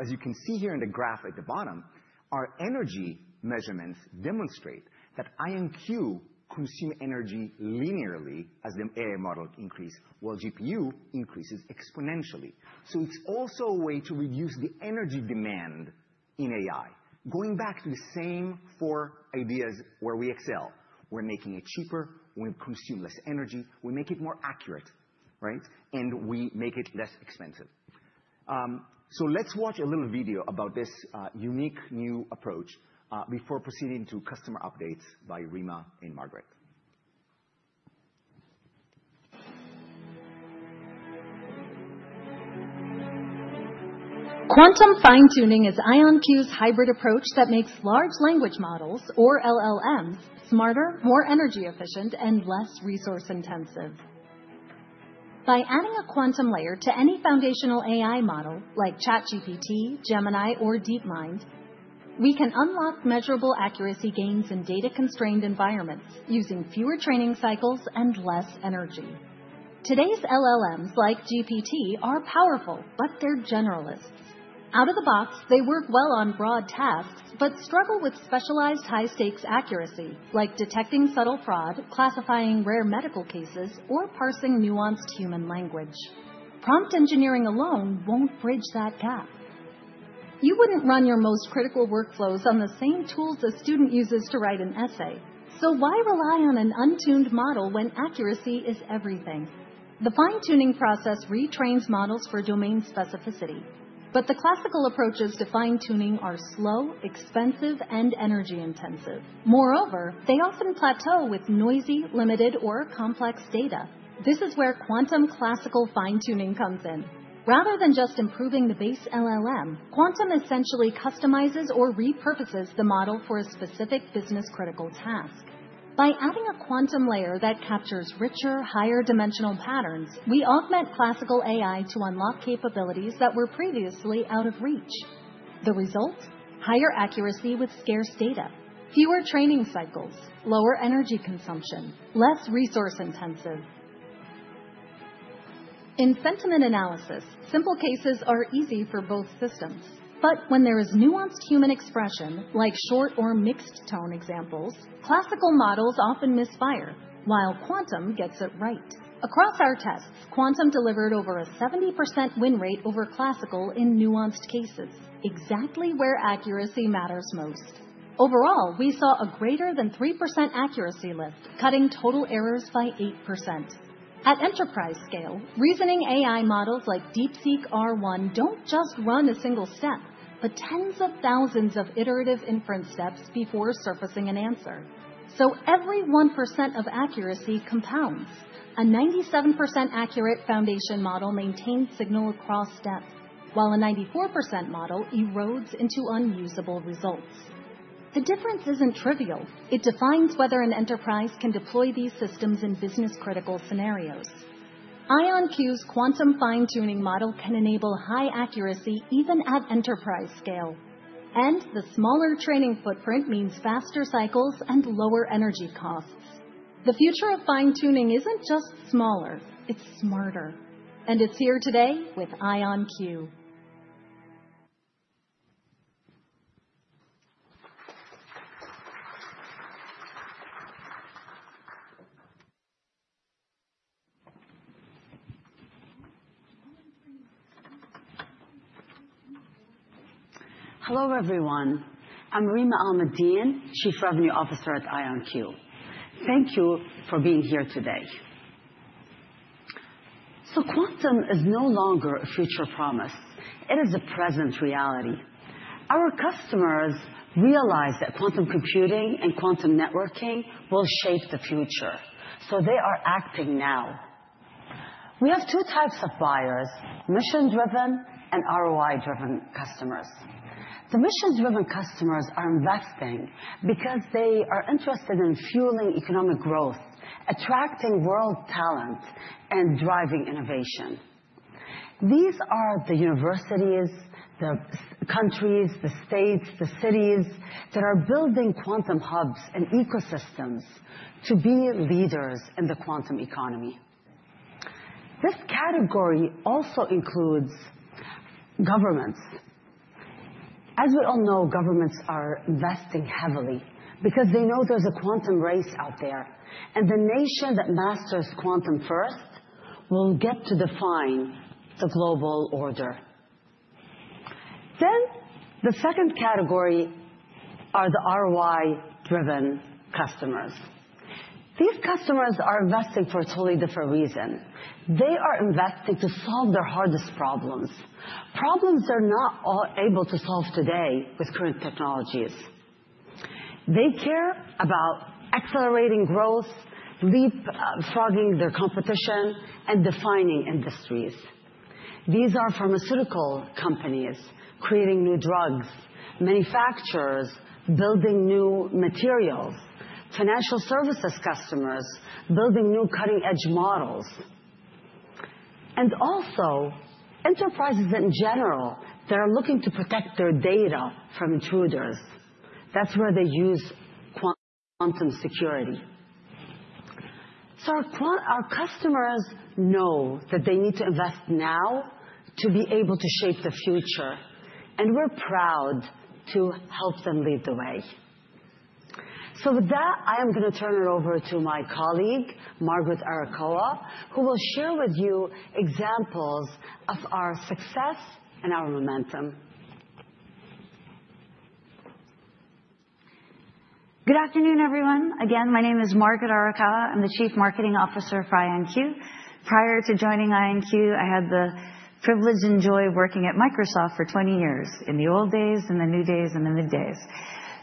As you can see here in the graph at the bottom, our energy measurements demonstrate that IonQ consumes energy linearly as the AI model increases, while GPU increases exponentially. It's also a way to reduce the energy demand in AI. Going back to the same four ideas where we excel. We're making it cheaper. We consume less energy. We make it more accurate, right? And we make it less expensive. Let's watch a little video about this unique new approach before proceeding to customer updates by Rima and Margaret. Quantum fine-tuning is IonQ's hybrid approach that makes large language models, or LLMs, smarter, more energy efficient, and less resource intensive. By adding a quantum layer to any foundational AI model like ChatGPT, Gemini, or DeepMind, we can unlock measurable accuracy gains in data-constrained environments using fewer training cycles and less energy. Today's LLMs, like GPT, are powerful, but they're generalists. Out of the box, they work well on broad tasks but struggle with specialized high-stakes accuracy like detecting subtle fraud, classifying rare medical cases, or parsing nuanced human language. Prompt engineering alone won't bridge that gap. You wouldn't run your most critical workflows on the same tools a student uses to write an essay. So why rely on an untuned model when accuracy is everything? The fine-tuning process retrains models for domain specificity. But the classical approaches to fine-tuning are slow, expensive, and energy intensive. Moreover, they often plateau with noisy, limited, or complex data. This is where quantum classical fine-tuning comes in. Rather than just improving the base LLM, quantum essentially customizes or repurposes the model for a specific business-critical task. By adding a quantum layer that captures richer, higher-dimensional patterns, we augment classical AI to unlock capabilities that were previously out of reach. The result? Higher accuracy with scarce data, fewer training cycles, lower energy consumption, less resource intensive. In sentiment analysis, simple cases are easy for both systems. But when there is nuanced human expression, like short or mixed-tone examples, classical models often misfire, while quantum gets it right. Across our tests, quantum delivered over a 70% win rate over classical in nuanced cases, exactly where accuracy matters most. Overall, we saw a greater than 3% accuracy lift, cutting total errors by 8%. At enterprise scale, reasoning AI models like DeepSeek R1 don't just run a single step, but tens of thousands of iterative inference steps before surfacing an answer. So every 1% of accuracy compounds. A 97% accurate foundation model maintains signal across steps, while a 94% model erodes into unusable results. The difference isn't trivial. It defines whether an enterprise can deploy these systems in business-critical scenarios. IonQ's quantum fine-tuning model can enable high accuracy even at enterprise scale, and the smaller training footprint means faster cycles and lower energy costs. The future of fine-tuning isn't just smaller. It's smarter, and it's here today with IonQ. Hello everyone. I'm Rima Alameddine, Chief Revenue Officer at IonQ. Thank you for being here today, so quantum is no longer a future promise. It is a present reality. Our customers realize that quantum computing and quantum networking will shape the future. So they are acting now. We have two types of buyers: mission-driven and ROI-driven customers. The mission-driven customers are investing because they are interested in fueling economic growth, attracting world talent, and driving innovation. These are the universities, the countries, the states, the cities that are building quantum hubs and ecosystems to be leaders in the quantum economy. This category also includes governments. As we all know, governments are investing heavily because they know there's a quantum race out there, and the nation that masters quantum first will get to define the global order, then the second category are the ROI-driven customers. These customers are investing for a totally different reason. They are investing to solve their hardest problems, problems they're not able to solve today with current technologies. They care about accelerating growth, leapfrogging their competition, and defining industries. These are pharmaceutical companies creating new drugs, manufacturers building new materials, financial services customers building new cutting-edge models, and also enterprises in general that are looking to protect their data from intruders. That's where they use quantum security. Our customers know that they need to invest now to be able to shape the future. And we're proud to help them lead the way. With that, I am going to turn it over to my colleague, Margaret Arakawa, who will share with you examples of our success and our momentum. Good afternoon, everyone. Again, my name is Margaret Arakawa. I'm the Chief Marketing Officer for IonQ. Prior to joining IonQ, I had the privilege and joy of working at Microsoft for 20 years, in the old days, in the new days, and in the good days.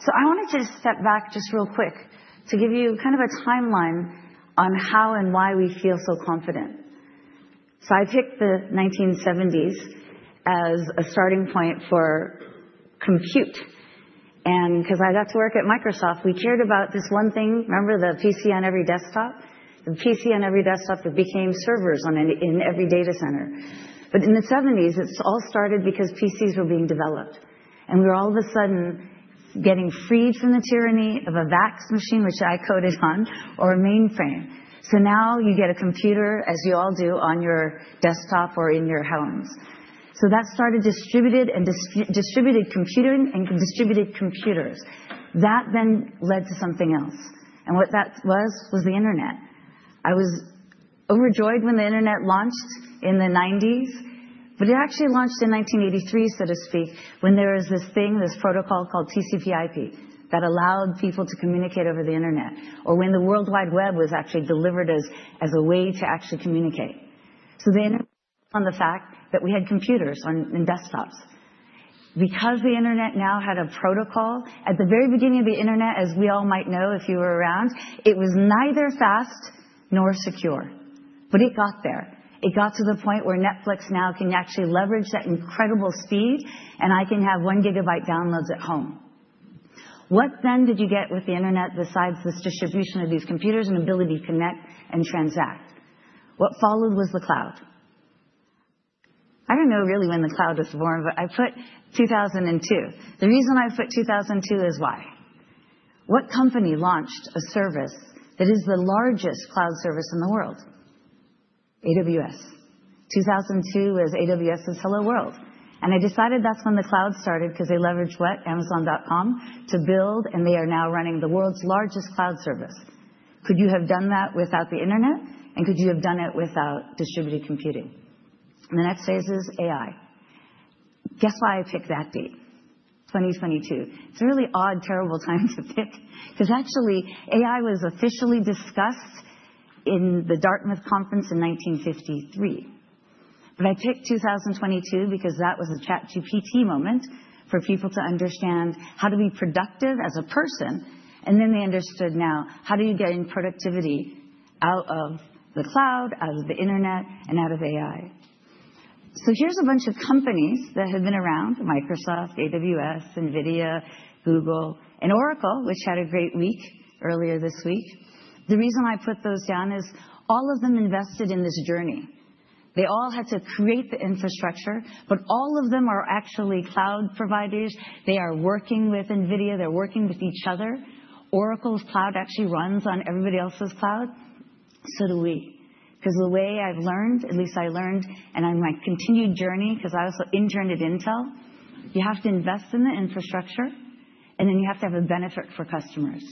I wanted to just step back just real quick to give you kind of a timeline on how and why we feel so confident. I picked the 1970s as a starting point for compute. And because I got to work at Microsoft, we cared about this one thing. Remember the PC on every desktop? The PC on every desktop that became servers in every data center, but in the 1970s, it all started because PCs were being developed, and we were all of a sudden getting freed from the tyranny of a VAX machine, which I coded on, or a mainframe, so now you get a computer, as you all do, on your desktop or in your homes, so that started distributed computing and distributed computers. That then led to something else, and what that was, was the internet. I was overjoyed when the internet launched in the 1990s, but it actually launched in 1983, so to speak, when there was this thing, this protocol called TCP/IP that allowed people to communicate over the internet, or when the World Wide Web was actually delivered as a way to actually communicate. The internet was built on the fact that we had computers on desktops. Because the internet now had a protocol, at the very beginning of the internet, as we all might know if you were around, it was neither fast nor secure. It got there. It got to the point where Netflix now can actually leverage that incredible speed, and I can have one gigabit downloads at home. What then did you get with the internet besides this distribution of these computers and ability to connect and transact? What followed was the cloud. I don't know really when the cloud was born, but I put 2002. The reason I put 2002 is why. What company launched a service that is the largest cloud service in the world? AWS. 2002 was AWS's Hello World. I decided that's when the cloud started because they leveraged what? Amazon.com to build, and they are now running the world's largest cloud service. Could you have done that without the internet? And could you have done it without distributed computing? The next phase is AI. Guess why I picked that date? 2022. It's a really odd, terrible time to pick because actually, AI was officially discussed in the Dartmouth Conference in 1953. But I picked 2022 because that was a ChatGPT moment for people to understand how to be productive as a person. And then they understood now how do you gain productivity out of the cloud, out of the internet, and out of AI. So here's a bunch of companies that have been around: Microsoft, AWS, NVIDIA, Google, and Oracle, which had a great week earlier this week. The reason I put those down is all of them invested in this journey. They all had to create the infrastructure, but all of them are actually cloud providers. They are working with NVIDIA. They're working with each other. Oracle's cloud actually runs on everybody else's cloud, so do we. Because the way I've learned, at least I learned, and on my continued journey, because I also interned at Intel, you have to invest in the infrastructure, and then you have to have a benefit for customers.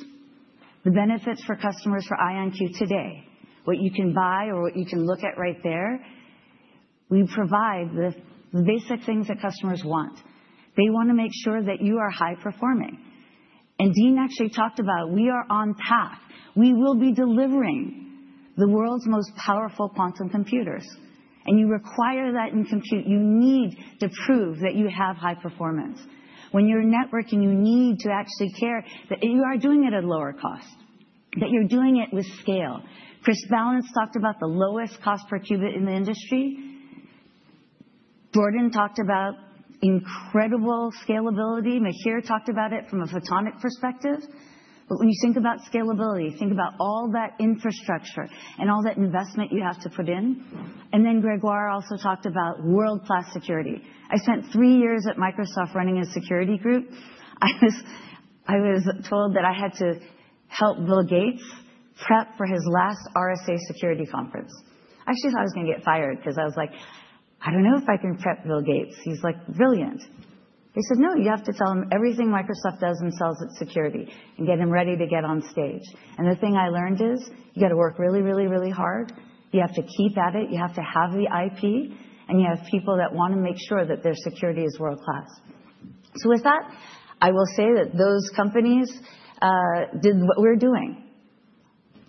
The benefits for customers for IonQ today, what you can buy or what you can look at right there, we provide the basic things that customers want. They want to make sure that you are high performing, and Dean actually talked about, "We are on path. We will be delivering the world's most powerful quantum computers," and you require that in compute. You need to prove that you have high performance. When you're networking, you need to actually care that you are doing it at lower cost, that you're doing it with scale. Chris Ballance talked about the lowest cost per qubit in the industry. Jordan talked about incredible scalability. Mihir talked about it from a photonic perspective, but when you think about scalability, think about all that infrastructure and all that investment you have to put in, and then Grégoire also talked about world-class security. I spent three years at Microsoft running a security group. I was told that I had to help Bill Gates prep for his last RSA Security Conference. I actually thought I was going to get fired because I was like, "I don't know if I can prep Bill Gates. He's like brilliant." They said, "No, you have to tell him everything Microsoft does and sells at security and get him ready to get on stage." And the thing I learned is you got to work really, really, really hard. You have to keep at it. You have to have the IP. And you have people that want to make sure that their security is world-class. So with that, I will say that those companies did what we're doing.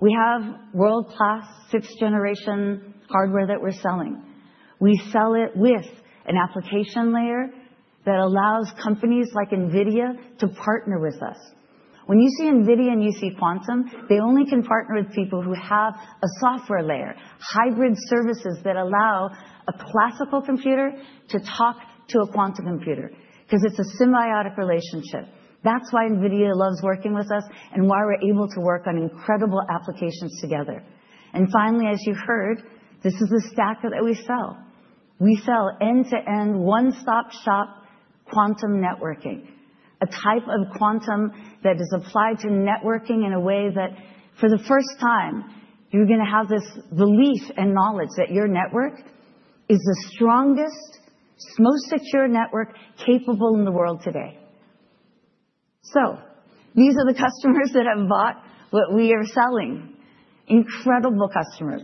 We have world-class sixth-generation hardware that we're selling. We sell it with an application layer that allows companies like NVIDIA to partner with us. When you see NVIDIA and you see quantum, they only can partner with people who have a software layer, hybrid services that allow a classical computer to talk to a quantum computer because it's a symbiotic relationship. That's why NVIDIA loves working with us and why we're able to work on incredible applications together. And finally, as you heard, this is the stack that we sell. We sell end-to-end, one-stop-shop quantum networking, a type of quantum that is applied to networking in a way that for the first time, you're going to have this belief and knowledge that your network is the strongest, most secure network capable in the world today. So these are the customers that have bought what we are selling. Incredible customers.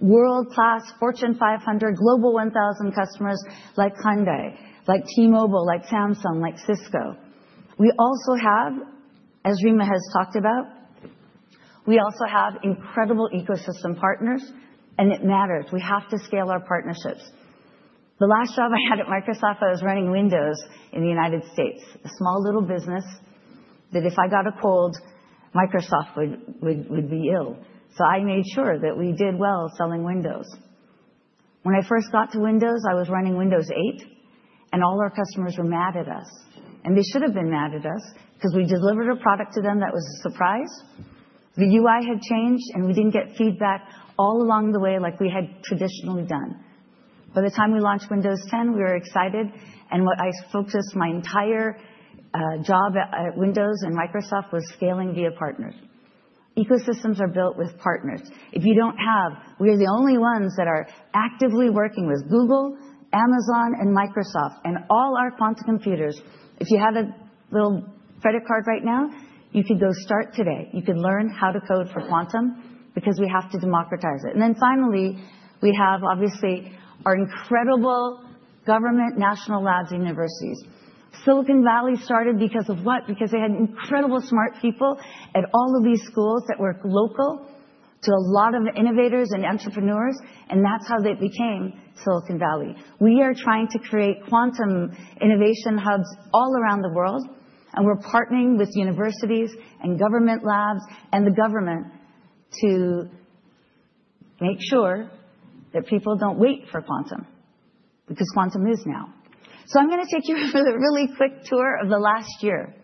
World-class Fortune 500, Global 1000 customers like Hyundai, like T-Mobile, like Samsung, like Cisco. We also have, as Rima has talked about, we also have incredible ecosystem partners. And it matters. We have to scale our partnerships. The last job I had at Microsoft, I was running Windows in the United States, a small little business that if I got a cold, Microsoft would be ill. So I made sure that we did well selling Windows. When I first got to Windows, I was running Windows 8, and all our customers were mad at us. And they should have been mad at us because we delivered a product to them that was a surprise. The UI had changed, and we didn't get feedback all along the way like we had traditionally done. By the time we launched Windows 10, we were excited. And what I focused my entire job at Windows and Microsoft was scaling via partners. Ecosystems are built with partners. If you don't have, we are the only ones that are actively working with Google, Amazon, and Microsoft, and all our quantum computers. If you have a little credit card right now, you could go start today. You could learn how to code for quantum because we have to democratize it, and then finally, we have, obviously, our incredible government, national labs, universities. Silicon Valley started because of what? Because they had incredible smart people at all of these schools that were local to a lot of innovators and entrepreneurs, and that's how they became Silicon Valley. We are trying to create quantum innovation hubs all around the world, and we're partnering with universities and government labs and the government to make sure that people don't wait for quantum because quantum is now, so I'm going to take you for a really quick tour of the last year.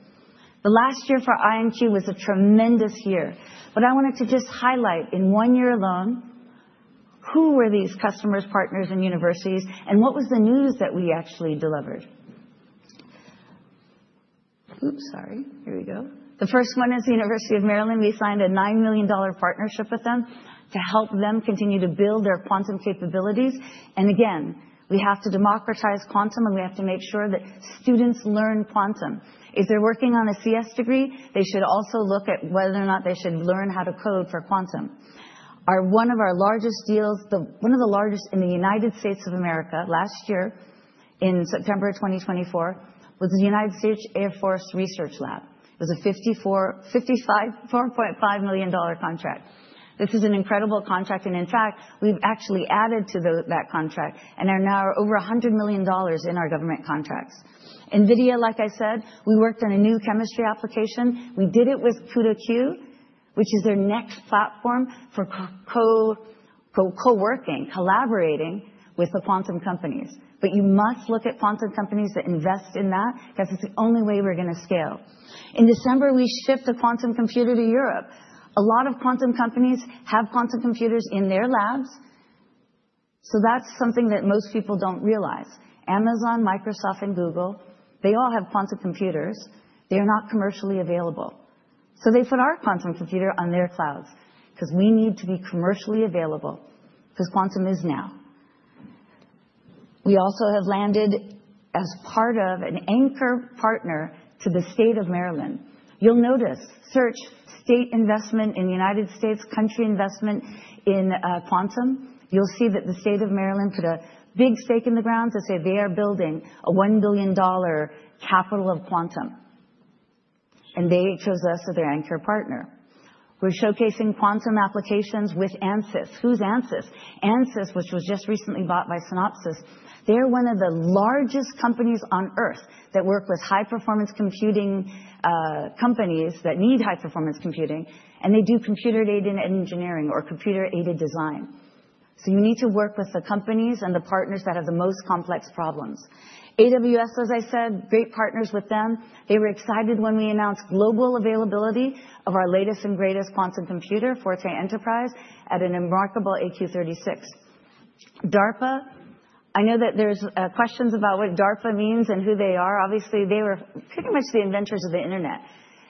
The last year for IonQ was a tremendous year. But I wanted to just highlight in one year alone who were these customers, partners, and universities, and what was the news that we actually delivered. The first one is the University of Maryland. We signed a $9 million partnership with them to help them continue to build their quantum capabilities. And again, we have to democratize quantum, and we have to make sure that students learn quantum. If they're working on a CS degree, they should also look at whether or not they should learn how to code for quantum. One of our largest deals, one of the largest in the United States of America last year in September of 2024, was the United States Air Force Research Lab. It was a $55.5 million contract. This is an incredible contract. In fact, we've actually added to that contract and are now over $100 million in our government contracts. NVIDIA, like I said, we worked on a new chemistry application. We did it with CUDA-Q, which is their next platform for coworking, collaborating with the quantum companies. But you must look at quantum companies that invest in that because it's the only way we're going to scale. In December, we shipped a quantum computer to Europe. A lot of quantum companies have quantum computers in their labs. So that's something that most people don't realize. Amazon, Microsoft, and Google, they all have quantum computers. They are not commercially available. So they put our quantum computer on their clouds because we need to be commercially available because quantum is now. We also have landed as part of an anchor partner to the state of Maryland. You'll notice, search state investment in the United States, country investment in quantum, you'll see that the state of Maryland put a big stake in the ground to say they are building a $1 billion capital of quantum. And they chose us as their anchor partner. We're showcasing quantum applications with Ansys. Who's Ansys? Ansys, which was just recently bought by Synopsys. They're one of the largest companies on Earth that work with high-performance computing companies that need high-performance computing. And they do computer-aided engineering or computer-aided design. So you need to work with the companies and the partners that have the most complex problems. AWS, as I said, great partners with them. They were excited when we announced global availability of our latest and greatest quantum computer, Forte Enterprise, at an a remarkable AQ 36. DARPA, I know that there's questions about what DARPA means and who they are. Obviously, they were pretty much the inventors of the internet.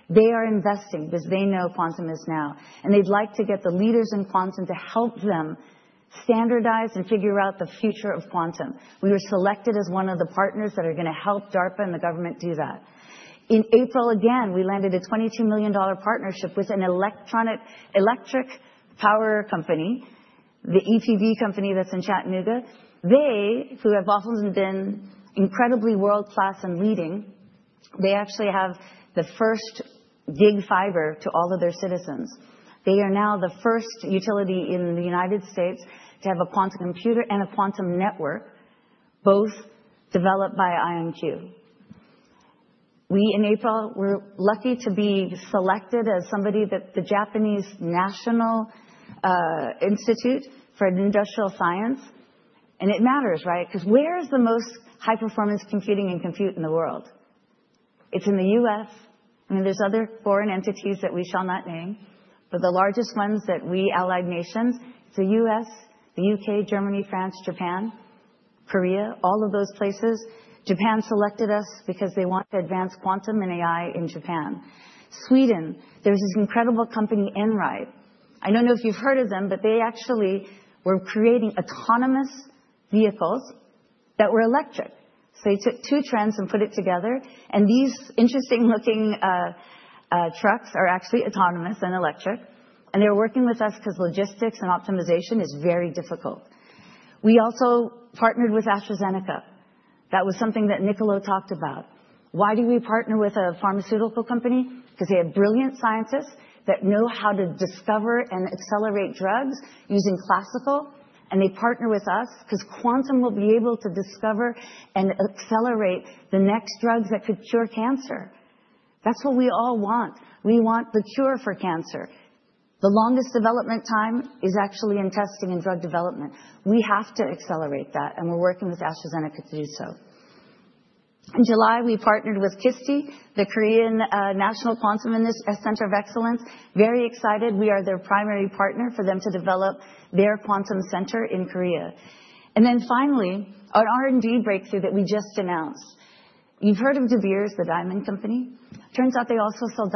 They are investing because they know quantum is now, and they'd like to get the leaders in quantum to help them standardize and figure out the future of quantum. We were selected as one of the partners that are going to help DARPA and the government do that. In April, again, we landed a $22 million partnership with an electric power company, the EPB company that's in Chattanooga. They, who have often been incredibly world-class and leading, they actually have the first gig fiber to all of their citizens. They are now the first utility in the United States to have a quantum computer and a quantum network, both developed by IonQ. We, in April, were lucky to be selected as somebody that the National Institute of Advanced Industrial Science and Technology (AIST), and it matters, right? Because where is the most high-performance computing and compute in the world? It's in the U.S. I mean, there's other foreign entities that we shall not name. But the largest ones that we allied nations, it's the U.S., the U.K., Germany, France, Japan, Korea, all of those places. Japan selected us because they want to advance quantum and AI in Japan. Sweden, there's this incredible company, Einride. I don't know if you've heard of them, but they actually were creating autonomous vehicles that were electric. So they took two trends and put it together. And these interesting-looking trucks are actually autonomous and electric. And they were working with us because logistics and optimization is very difficult. We also partnered with AstraZeneca. That was something that Niccolo talked about. Why do we partner with a pharmaceutical company? Because they have brilliant scientists that know how to discover and accelerate drugs using classical, and they partner with us because quantum will be able to discover and accelerate the next drugs that could cure cancer. That's what we all want. We want the cure for cancer. The longest development time is actually in testing and drug development. We have to accelerate that, and we're working with AstraZeneca to do so. In July, we partnered with KISTI, the Korean National Quantum Center of Excellence. Very excited. We are their primary partner for them to develop their quantum center in Korea. And then finally, an R&D breakthrough that we just announced. You've heard of De Beers, the diamond company? Turns out they also sell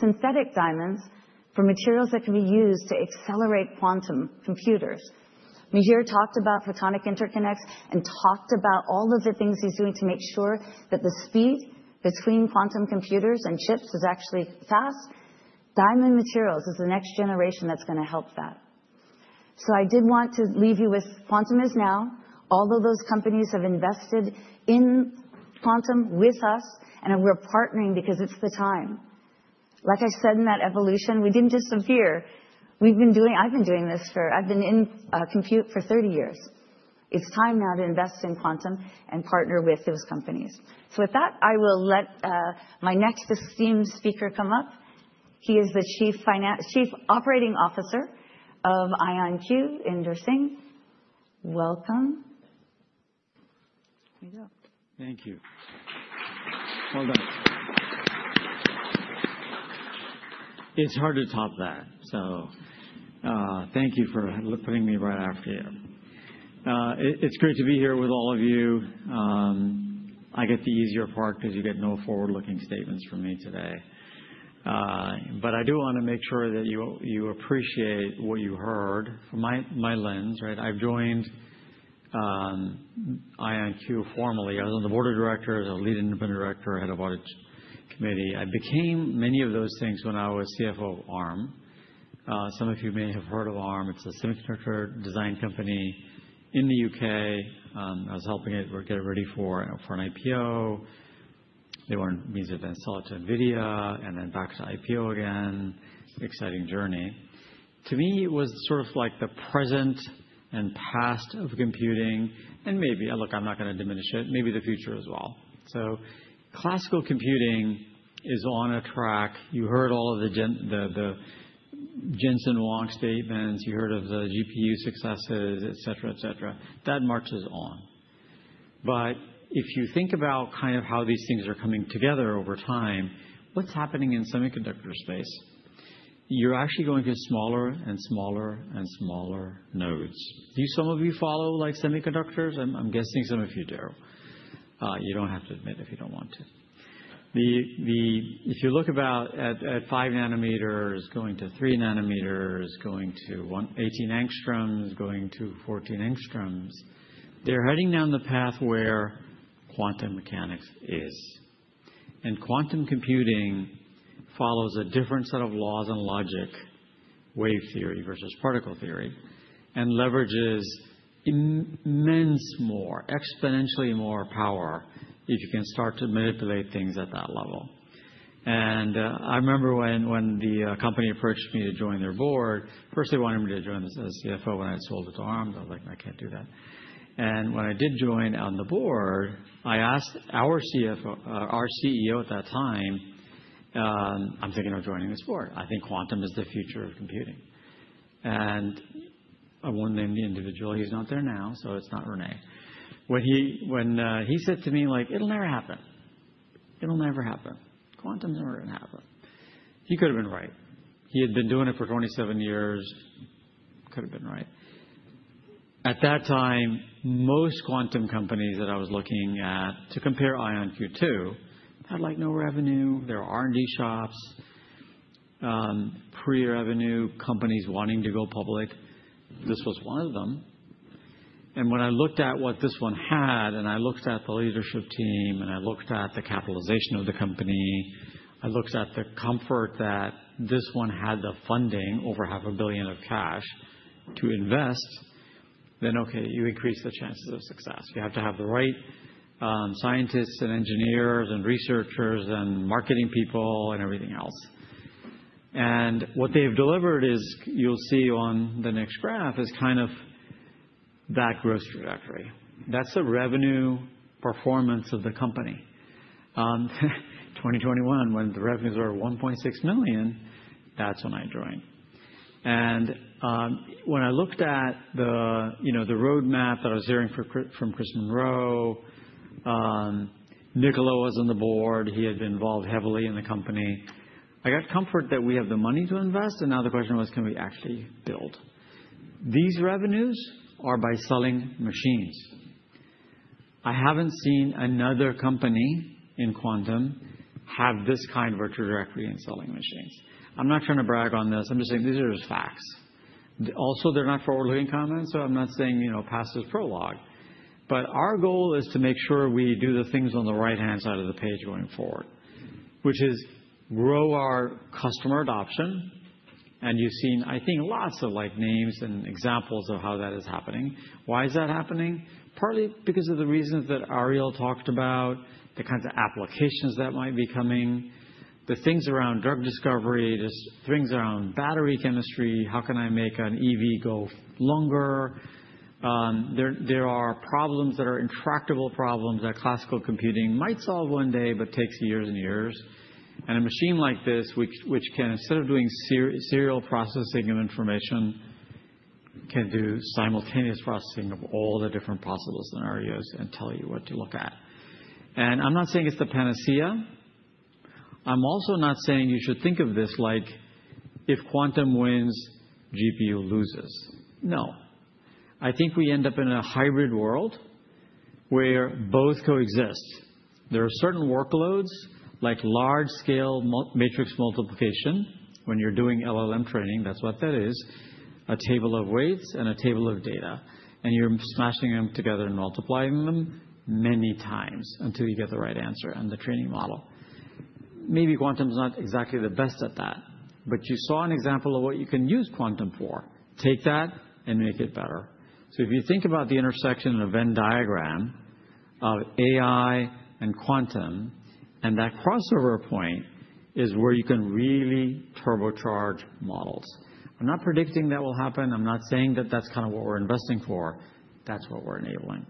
synthetic diamonds for materials that can be used to accelerate quantum computers. Mihir talked about photonic interconnects and talked about all of the things he's doing to make sure that the speed between quantum computers and chips is actually fast. Diamond materials is the next generation that's going to help that. So I did want to leave you with quantum is now. All of those companies have invested in quantum with us. And we're partnering because it's the time. Like I said in that evolution, we didn't disappear. I've been in computing for 30 years. It's time now to invest in quantum and partner with those companies. So with that, I will let my next esteemed speaker come up. He is the Chief Operating Officer of IonQ, Inder Singh. Welcome. There you go. Thank you. Well done. It's hard to top that. So thank you for putting me right after you. It's great to be here with all of you. I get the easier part because you get no forward-looking statements from me today. But I do want to make sure that you appreciate what you heard from my lens. I've joined IonQ formally. I was on the board of directors. I was lead independent director, head of audit committee. I became many of those things when I was CFO Arm. Some of you may have heard of Arm. It's a semiconductor design company in the U.K. I was helping it get ready for an IPO. They wanted me to then sell it to NVIDIA and then back to IPO again. Exciting journey. To me, it was sort of like the present and past of computing. And maybe, look, I'm not going to diminish it. Maybe the future as well. So classical computing is on a track. You heard all of the Jensen Huang statements. You heard of the GPU successes, et cetera, et cetera. That marches on. But if you think about kind of how these things are coming together over time, what's happening in semiconductor space? You're actually going to smaller and smaller and smaller nodes. Do some of you follow semiconductors? I'm guessing some of you do. You don't have to admit if you don't want to. If you look at 5 nanometers going to 3 nanometers, going to 18 angstroms, going to 14 angstroms, they're heading down the path where quantum mechanics is, and quantum computing follows a different set of laws and logic, wave theory versus particle theory, and leverages immensely, more exponentially more power if you can start to manipulate things at that level. I remember when the company approached me to join their board. First they wanted me to join as CFO when I had sold it to Arm. They were like, "I can't do that." When I did join on the board, I asked our CEO at that time, "I'm thinking of joining this board. I think quantum is the future of computing." I won't name the individual. He's not there now, so it's not Rene. When he said to me, "It'll never happen. It'll never happen. Quantum's never going to happen." He could have been right. He had been doing it for 27 years. Could have been right. At that time, most quantum companies that I was looking at to compare IonQ to had no revenue. There were R&D shops, pre-revenue companies wanting to go public. This was one of them. And when I looked at what this one had, and I looked at the leadership team, and I looked at the capitalization of the company, I looked at the comfort that this one had the funding, over $500 million in cash, to invest, then, okay, you increase the chances of success. You have to have the right scientists and engineers and researchers and marketing people and everything else. And what they've delivered is, you'll see on the next graph, is kind of that growth trajectory. That's the revenue performance of the company. 2021, when the revenues were $1.6 million, that's when I joined. And when I looked at the roadmap that I was hearing from Chris Monroe, Niccolo was on the board. He had been involved heavily in the company. I got comfort that we have the money to invest. And now the question was, can we actually build? These revenues are by selling machines. I haven't seen another company in quantum have this kind of a trajectory in selling machines. I'm not trying to brag on this. I'm just saying these are just facts. Also, they're not forward-looking comments, so I'm not saying past is prologue, but our goal is to make sure we do the things on the right-hand side of the page going forward, which is grow our customer adoption, and you've seen, I think, lots of names and examples of how that is happening. Why is that happening? Partly because of the reasons that Ariel talked about, the kinds of applications that might be coming, the things around drug discovery, just things around battery chemistry. How can I make an EV go longer? There are problems that are intractable problems that classical computing might solve one day, but takes years and years. And a machine like this, which can, instead of doing serial processing of information, can do simultaneous processing of all the different possible scenarios and tell you what to look at. And I'm not saying it's the panacea. I'm also not saying you should think of this like if quantum wins, GPU loses. No. I think we end up in a hybrid world where both coexist. There are certain workloads, like large-scale matrix multiplication. When you're doing LLM training, that's what that is, a table of weights and a table of data. And you're smashing them together and multiplying them many times until you get the right answer and the training model. Maybe quantum's not exactly the best at that. But you saw an example of what you can use quantum for. Take that and make it better. If you think about the intersection of a Venn diagram of AI and quantum, and that crossover point is where you can really turbocharge models. I'm not predicting that will happen. I'm not saying that that's kind of what we're investing for. That's what we're enabling.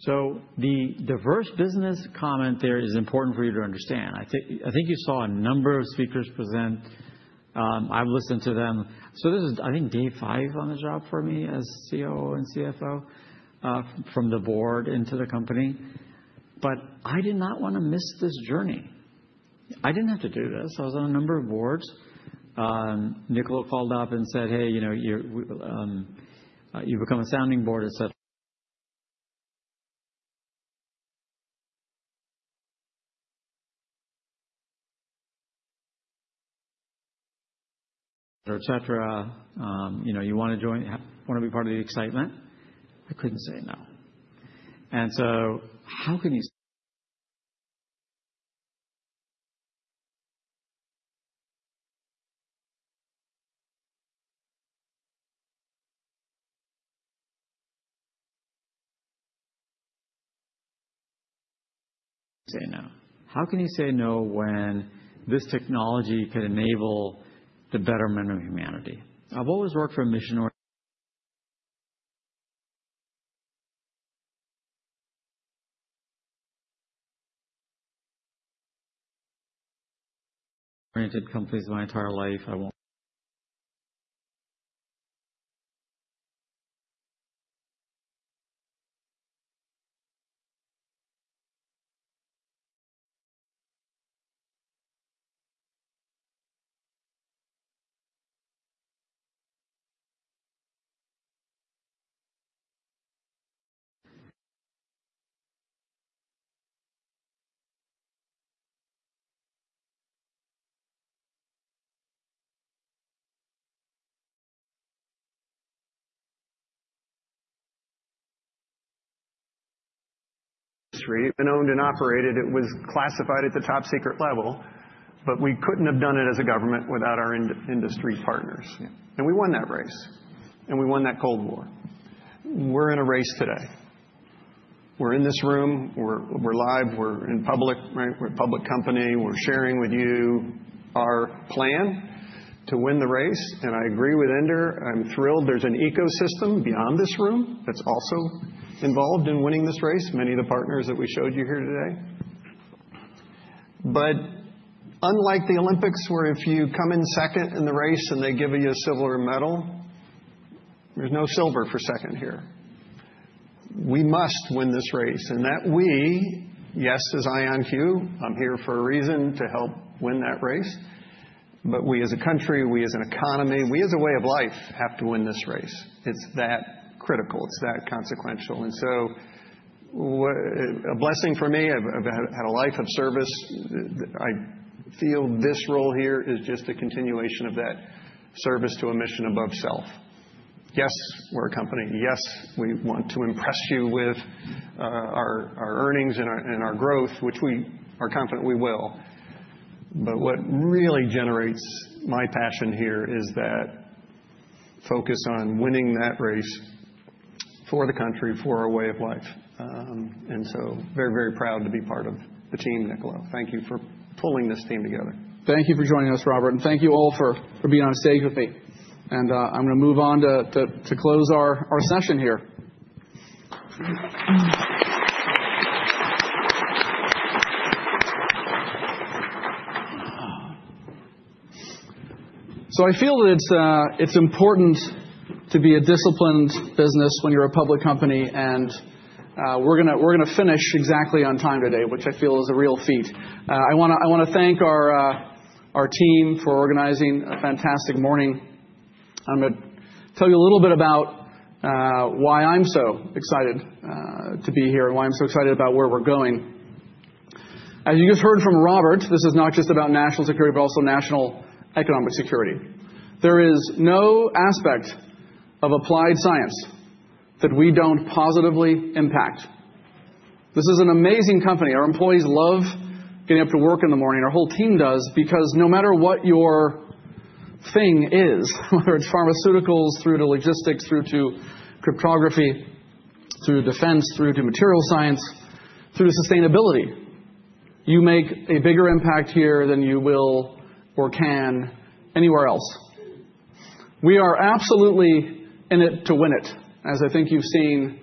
So the diverse business comment there is important for you to understand. I think you saw a number of speakers present. I've listened to them. So this is, I think, day five on the job for me as COO and CFO from the board into the company. But I did not want to miss this journey. I didn't have to do this. I was on a number of boards. Niccolo called up and said, "Hey, you've become a sounding board," et cetera. Et cetera. You want to join, want to be part of the excitement? I couldn't say no. And so, how can you say no? How can you say no when this technology can enable the betterment of humanity? I've always worked for a mission-oriented company my entire life. I won't. Industry owned and operated. It was classified at the top secret level. But we couldn't have done it as a government without our industry partners. And we won that race. And we won that Cold War. We're in a race today. We're in this room. We're live. We're in public. We're a public company. We're sharing with you our plan to win the race. And I agree with Inder. I'm thrilled. There's an ecosystem beyond this room that's also involved in winning this race, many of the partners that we showed you here today. But unlike the Olympics, where if you come in second in the race and they give you a silver medal, there's no silver for second here. We must win this race. And that we, yes, as IonQ, I'm here for a reason to help win that race. But we as a country, we as an economy, we as a way of life have to win this race. It's that critical. It's that consequential. And so a blessing for me. I've had a life of service. I feel this role here is just a continuation of that service to a mission above self. Yes, we're a company. Yes, we want to impress you with our earnings and our growth, which we are confident we will. But what really generates my passion here is that focus on winning that race for the country, for our way of life. And so very, very proud to be part of the team, Niccolo. Thank you for pulling this team together. Thank you for joining us, Robert. And thank you all for being on stage with me. And I'm going to move on to close our session here. So I feel that it's important to be a disciplined business when you're a public company. And we're going to finish exactly on time today, which I feel is a real feat. I want to thank our team for organizing a fantastic morning. I'm going to tell you a little bit about why I'm so excited to be here and why I'm so excited about where we're going. As you just heard from Robert, this is not just about national security, but also national economic security. There is no aspect of applied science that we don't positively impact. This is an amazing company. Our employees love getting up to work in the morning. Our whole team does because no matter what your thing is, whether it's pharmaceuticals through to logistics, through to cryptography, through to defense, through to material science, through to sustainability, you make a bigger impact here than you will or can anywhere else. We are absolutely in it to win it, as I think you've seen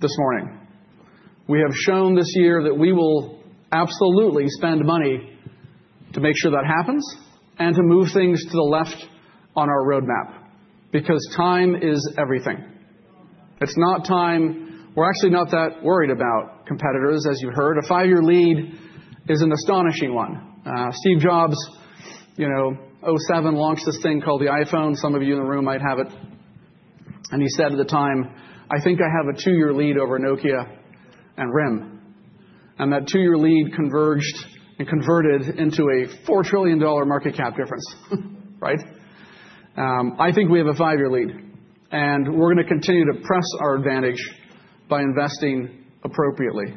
this morning. We have shown this year that we will absolutely spend money to make sure that happens and to move things to the left on our roadmap because time is everything. It's not time we're actually not that worried about competitors, as you heard. A five-year lead is an astonishing one. Steve Jobs, 2007, launched this thing called the iPhone. Some of you in the room might have it. He said at the time, "I think I have a two-year lead over Nokia and RIM." That two-year lead converged and converted into a $4 trillion market cap difference. Right? I think we have a five-year lead. We're going to continue to press our advantage by investing appropriately.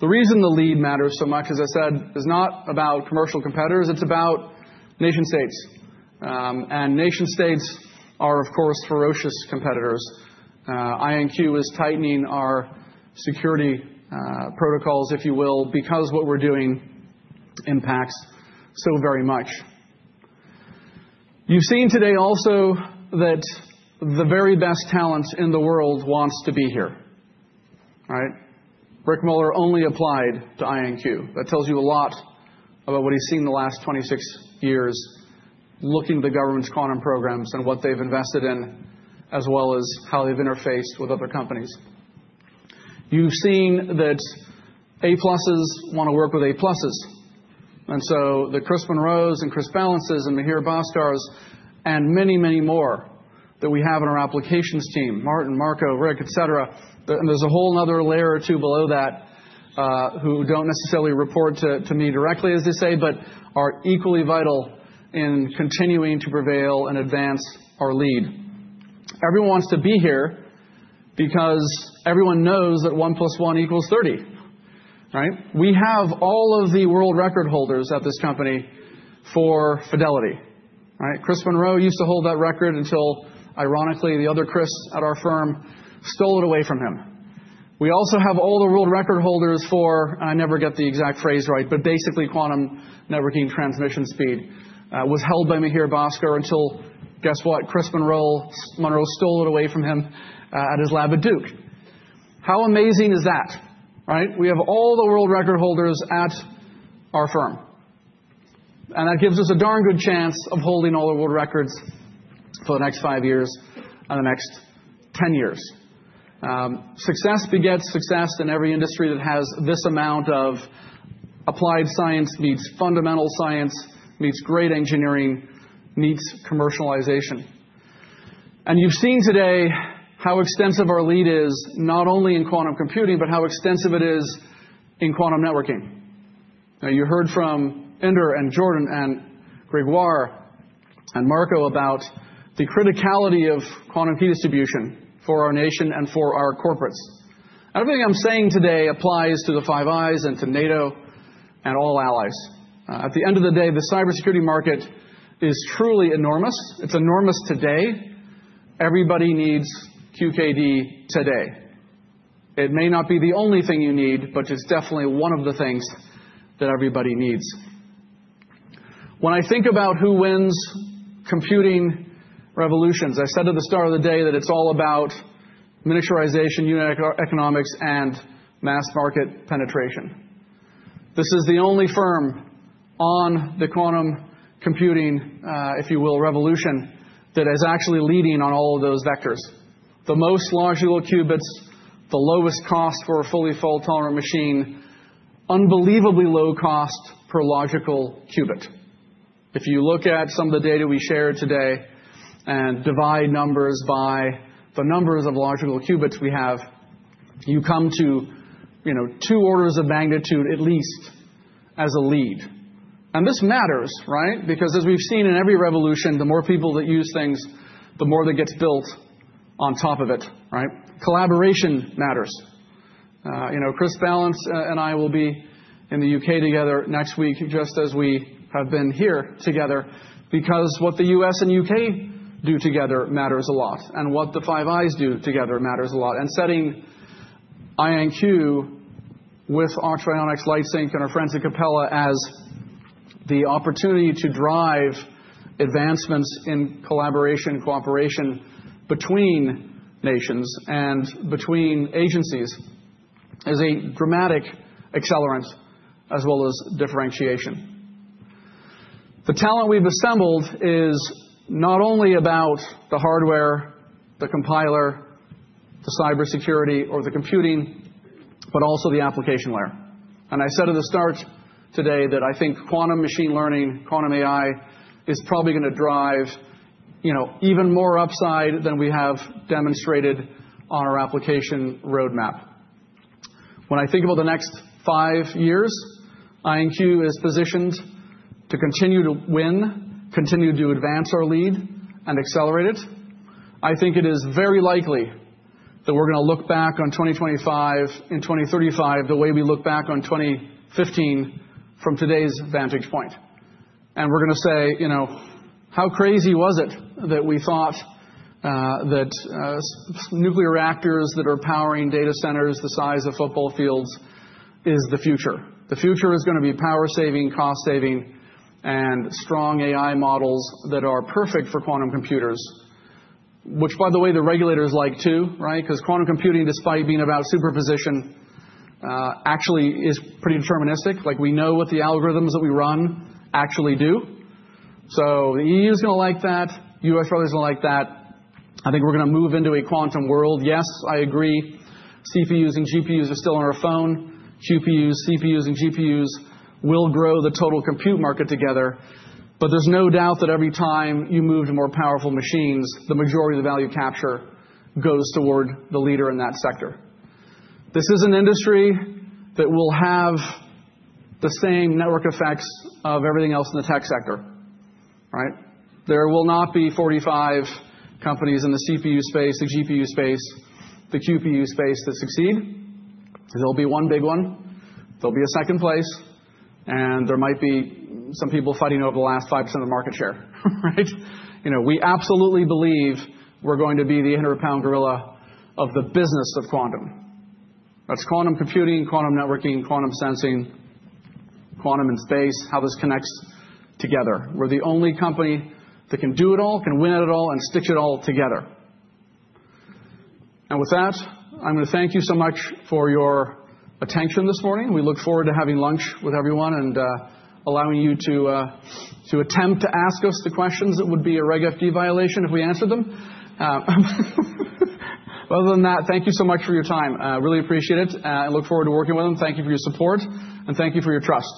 The reason the lead matters so much, as I said, is not about commercial competitors. It's about nation-states. Nation-states are, of course, ferocious competitors. IonQ is tightening our security protocols, if you will, because what we're doing impacts so very much. You've seen today also that the very best talent in the world wants to be here. Right? Rick Muller only applied to IonQ. That tells you a lot about what he's seen the last 26 years looking at the government's quantum programs and what they've invested in, as well as how they've interfaced with other companies. You've seen that A-pluses want to work with A-pluses, and so the Chris Monroes and Chris Ballances and Mihir Bhaskars and many, many more that we have in our applications team, Martin, Marco, Rick, et cetera, and there's a whole nother layer or two below that who don't necessarily report to me directly, as they say, but are equally vital in continuing to prevail and advance our lead. Everyone wants to be here because everyone knows that one plus one equals 30. Right? We have all of the world record holders at this company for fidelity. Right? Chris Monroe used to hold that record until, ironically, the other Chris at our firm stole it away from him. We also have all the world record holders for, and I never get the exact phrase right, but basically quantum networking transmission speed was held by Mihir Bhaskar until, guess what, Chris Monroe stole it away from him at his lab at Duke. How amazing is that? Right? We have all the world record holders at our firm. And that gives us a darn good chance of holding all the world records for the next five years and the next 10 years. Success begets success in every industry that has this amount of applied science meets fundamental science, meets great engineering, meets commercialization. And you've seen today how extensive our lead is, not only in quantum computing, but how extensive it is in quantum networking. Now, you heard from Inder and Jordan and Grégoire and Marco about the criticality of quantum key distribution for our nation and for our corporates. Everything I'm saying today applies to the Five Eyes and to NATO and all allies. At the end of the day, the cybersecurity market is truly enormous. It's enormous today. Everybody needs QKD today. It may not be the only thing you need, but it's definitely one of the things that everybody needs. When I think about who wins computing revolutions, I said at the start of the day that it's all about miniaturization, unit economics, and mass market penetration. This is the only firm on the quantum computing, if you will, revolution that is actually leading on all of those vectors. The most logical qubits, the lowest cost for a fully fault-tolerant machine, unbelievably low cost per logical qubit. If you look at some of the data we shared today and divide numbers by the numbers of logical qubits we have, you come to two orders of magnitude at least as a lead, and this matters, right? Because as we've seen in every revolution, the more people that use things, the more that gets built on top of it. Right? Collaboration matters. Chris Ballance and I will be in the U.K. together next week, just as we have been here together, because what the U.S. and U.K. do together matters a lot, and what the Five Eyes do together matters a lot, and setting IonQ with Oxford Ionics LightSync and our friends at Capella as the opportunity to drive advancements in collaboration and cooperation between nations and between agencies is a dramatic accelerant, as well as differentiation. The talent we've assembled is not only about the hardware, the compiler, the cybersecurity, or the computing, but also the application layer. And I said at the start today that I think quantum machine learning, quantum AI is probably going to drive even more upside than we have demonstrated on our application roadmap. When I think about the next five years, IonQ is positioned to continue to win, continue to advance our lead, and accelerate it. I think it is very likely that we're going to look back on 2025 and 2035 the way we look back on 2015 from today's vantage point. We're going to say, "How crazy was it that we thought that nuclear reactors that are powering data centers the size of football fields is the future?" The future is going to be power-saving, cost-saving, and strong AI models that are perfect for quantum computers, which, by the way, the regulators like too, right? Because quantum computing, despite being about superposition, actually is pretty deterministic. We know what the algorithms that we run actually do. So the EU is going to like that. U.S. rather is going to like that. I think we're going to move into a quantum world. Yes, I agree. CPUs and GPUs are still on our phone. GPUs, CPUs, and GPUs will grow the total compute market together. But there's no doubt that every time you move to more powerful machines, the majority of the value capture goes toward the leader in that sector. This is an industry that will have the same network effects of everything else in the tech sector. Right? There will not be 45 companies in the CPU space, the GPU space, the QPU space that succeed. There'll be one big one. There'll be a second place. And there might be some people fighting over the last 5% of the market share. Right? We absolutely believe we're going to be the 100-pound gorilla of the business of quantum. That's quantum computing, quantum networking, quantum sensing, quantum and space, how this connects together. We're the only company that can do it all, can win it all, and stitch it all together. And with that, I'm going to thank you so much for your attention this morning. We look forward to having lunch with everyone and allowing you to attempt to ask us the questions that would be a Reg FD violation if we answered them. Other than that, thank you so much for your time. I really appreciate it. I look forward to working with them. Thank you for your support, and thank you for your trust.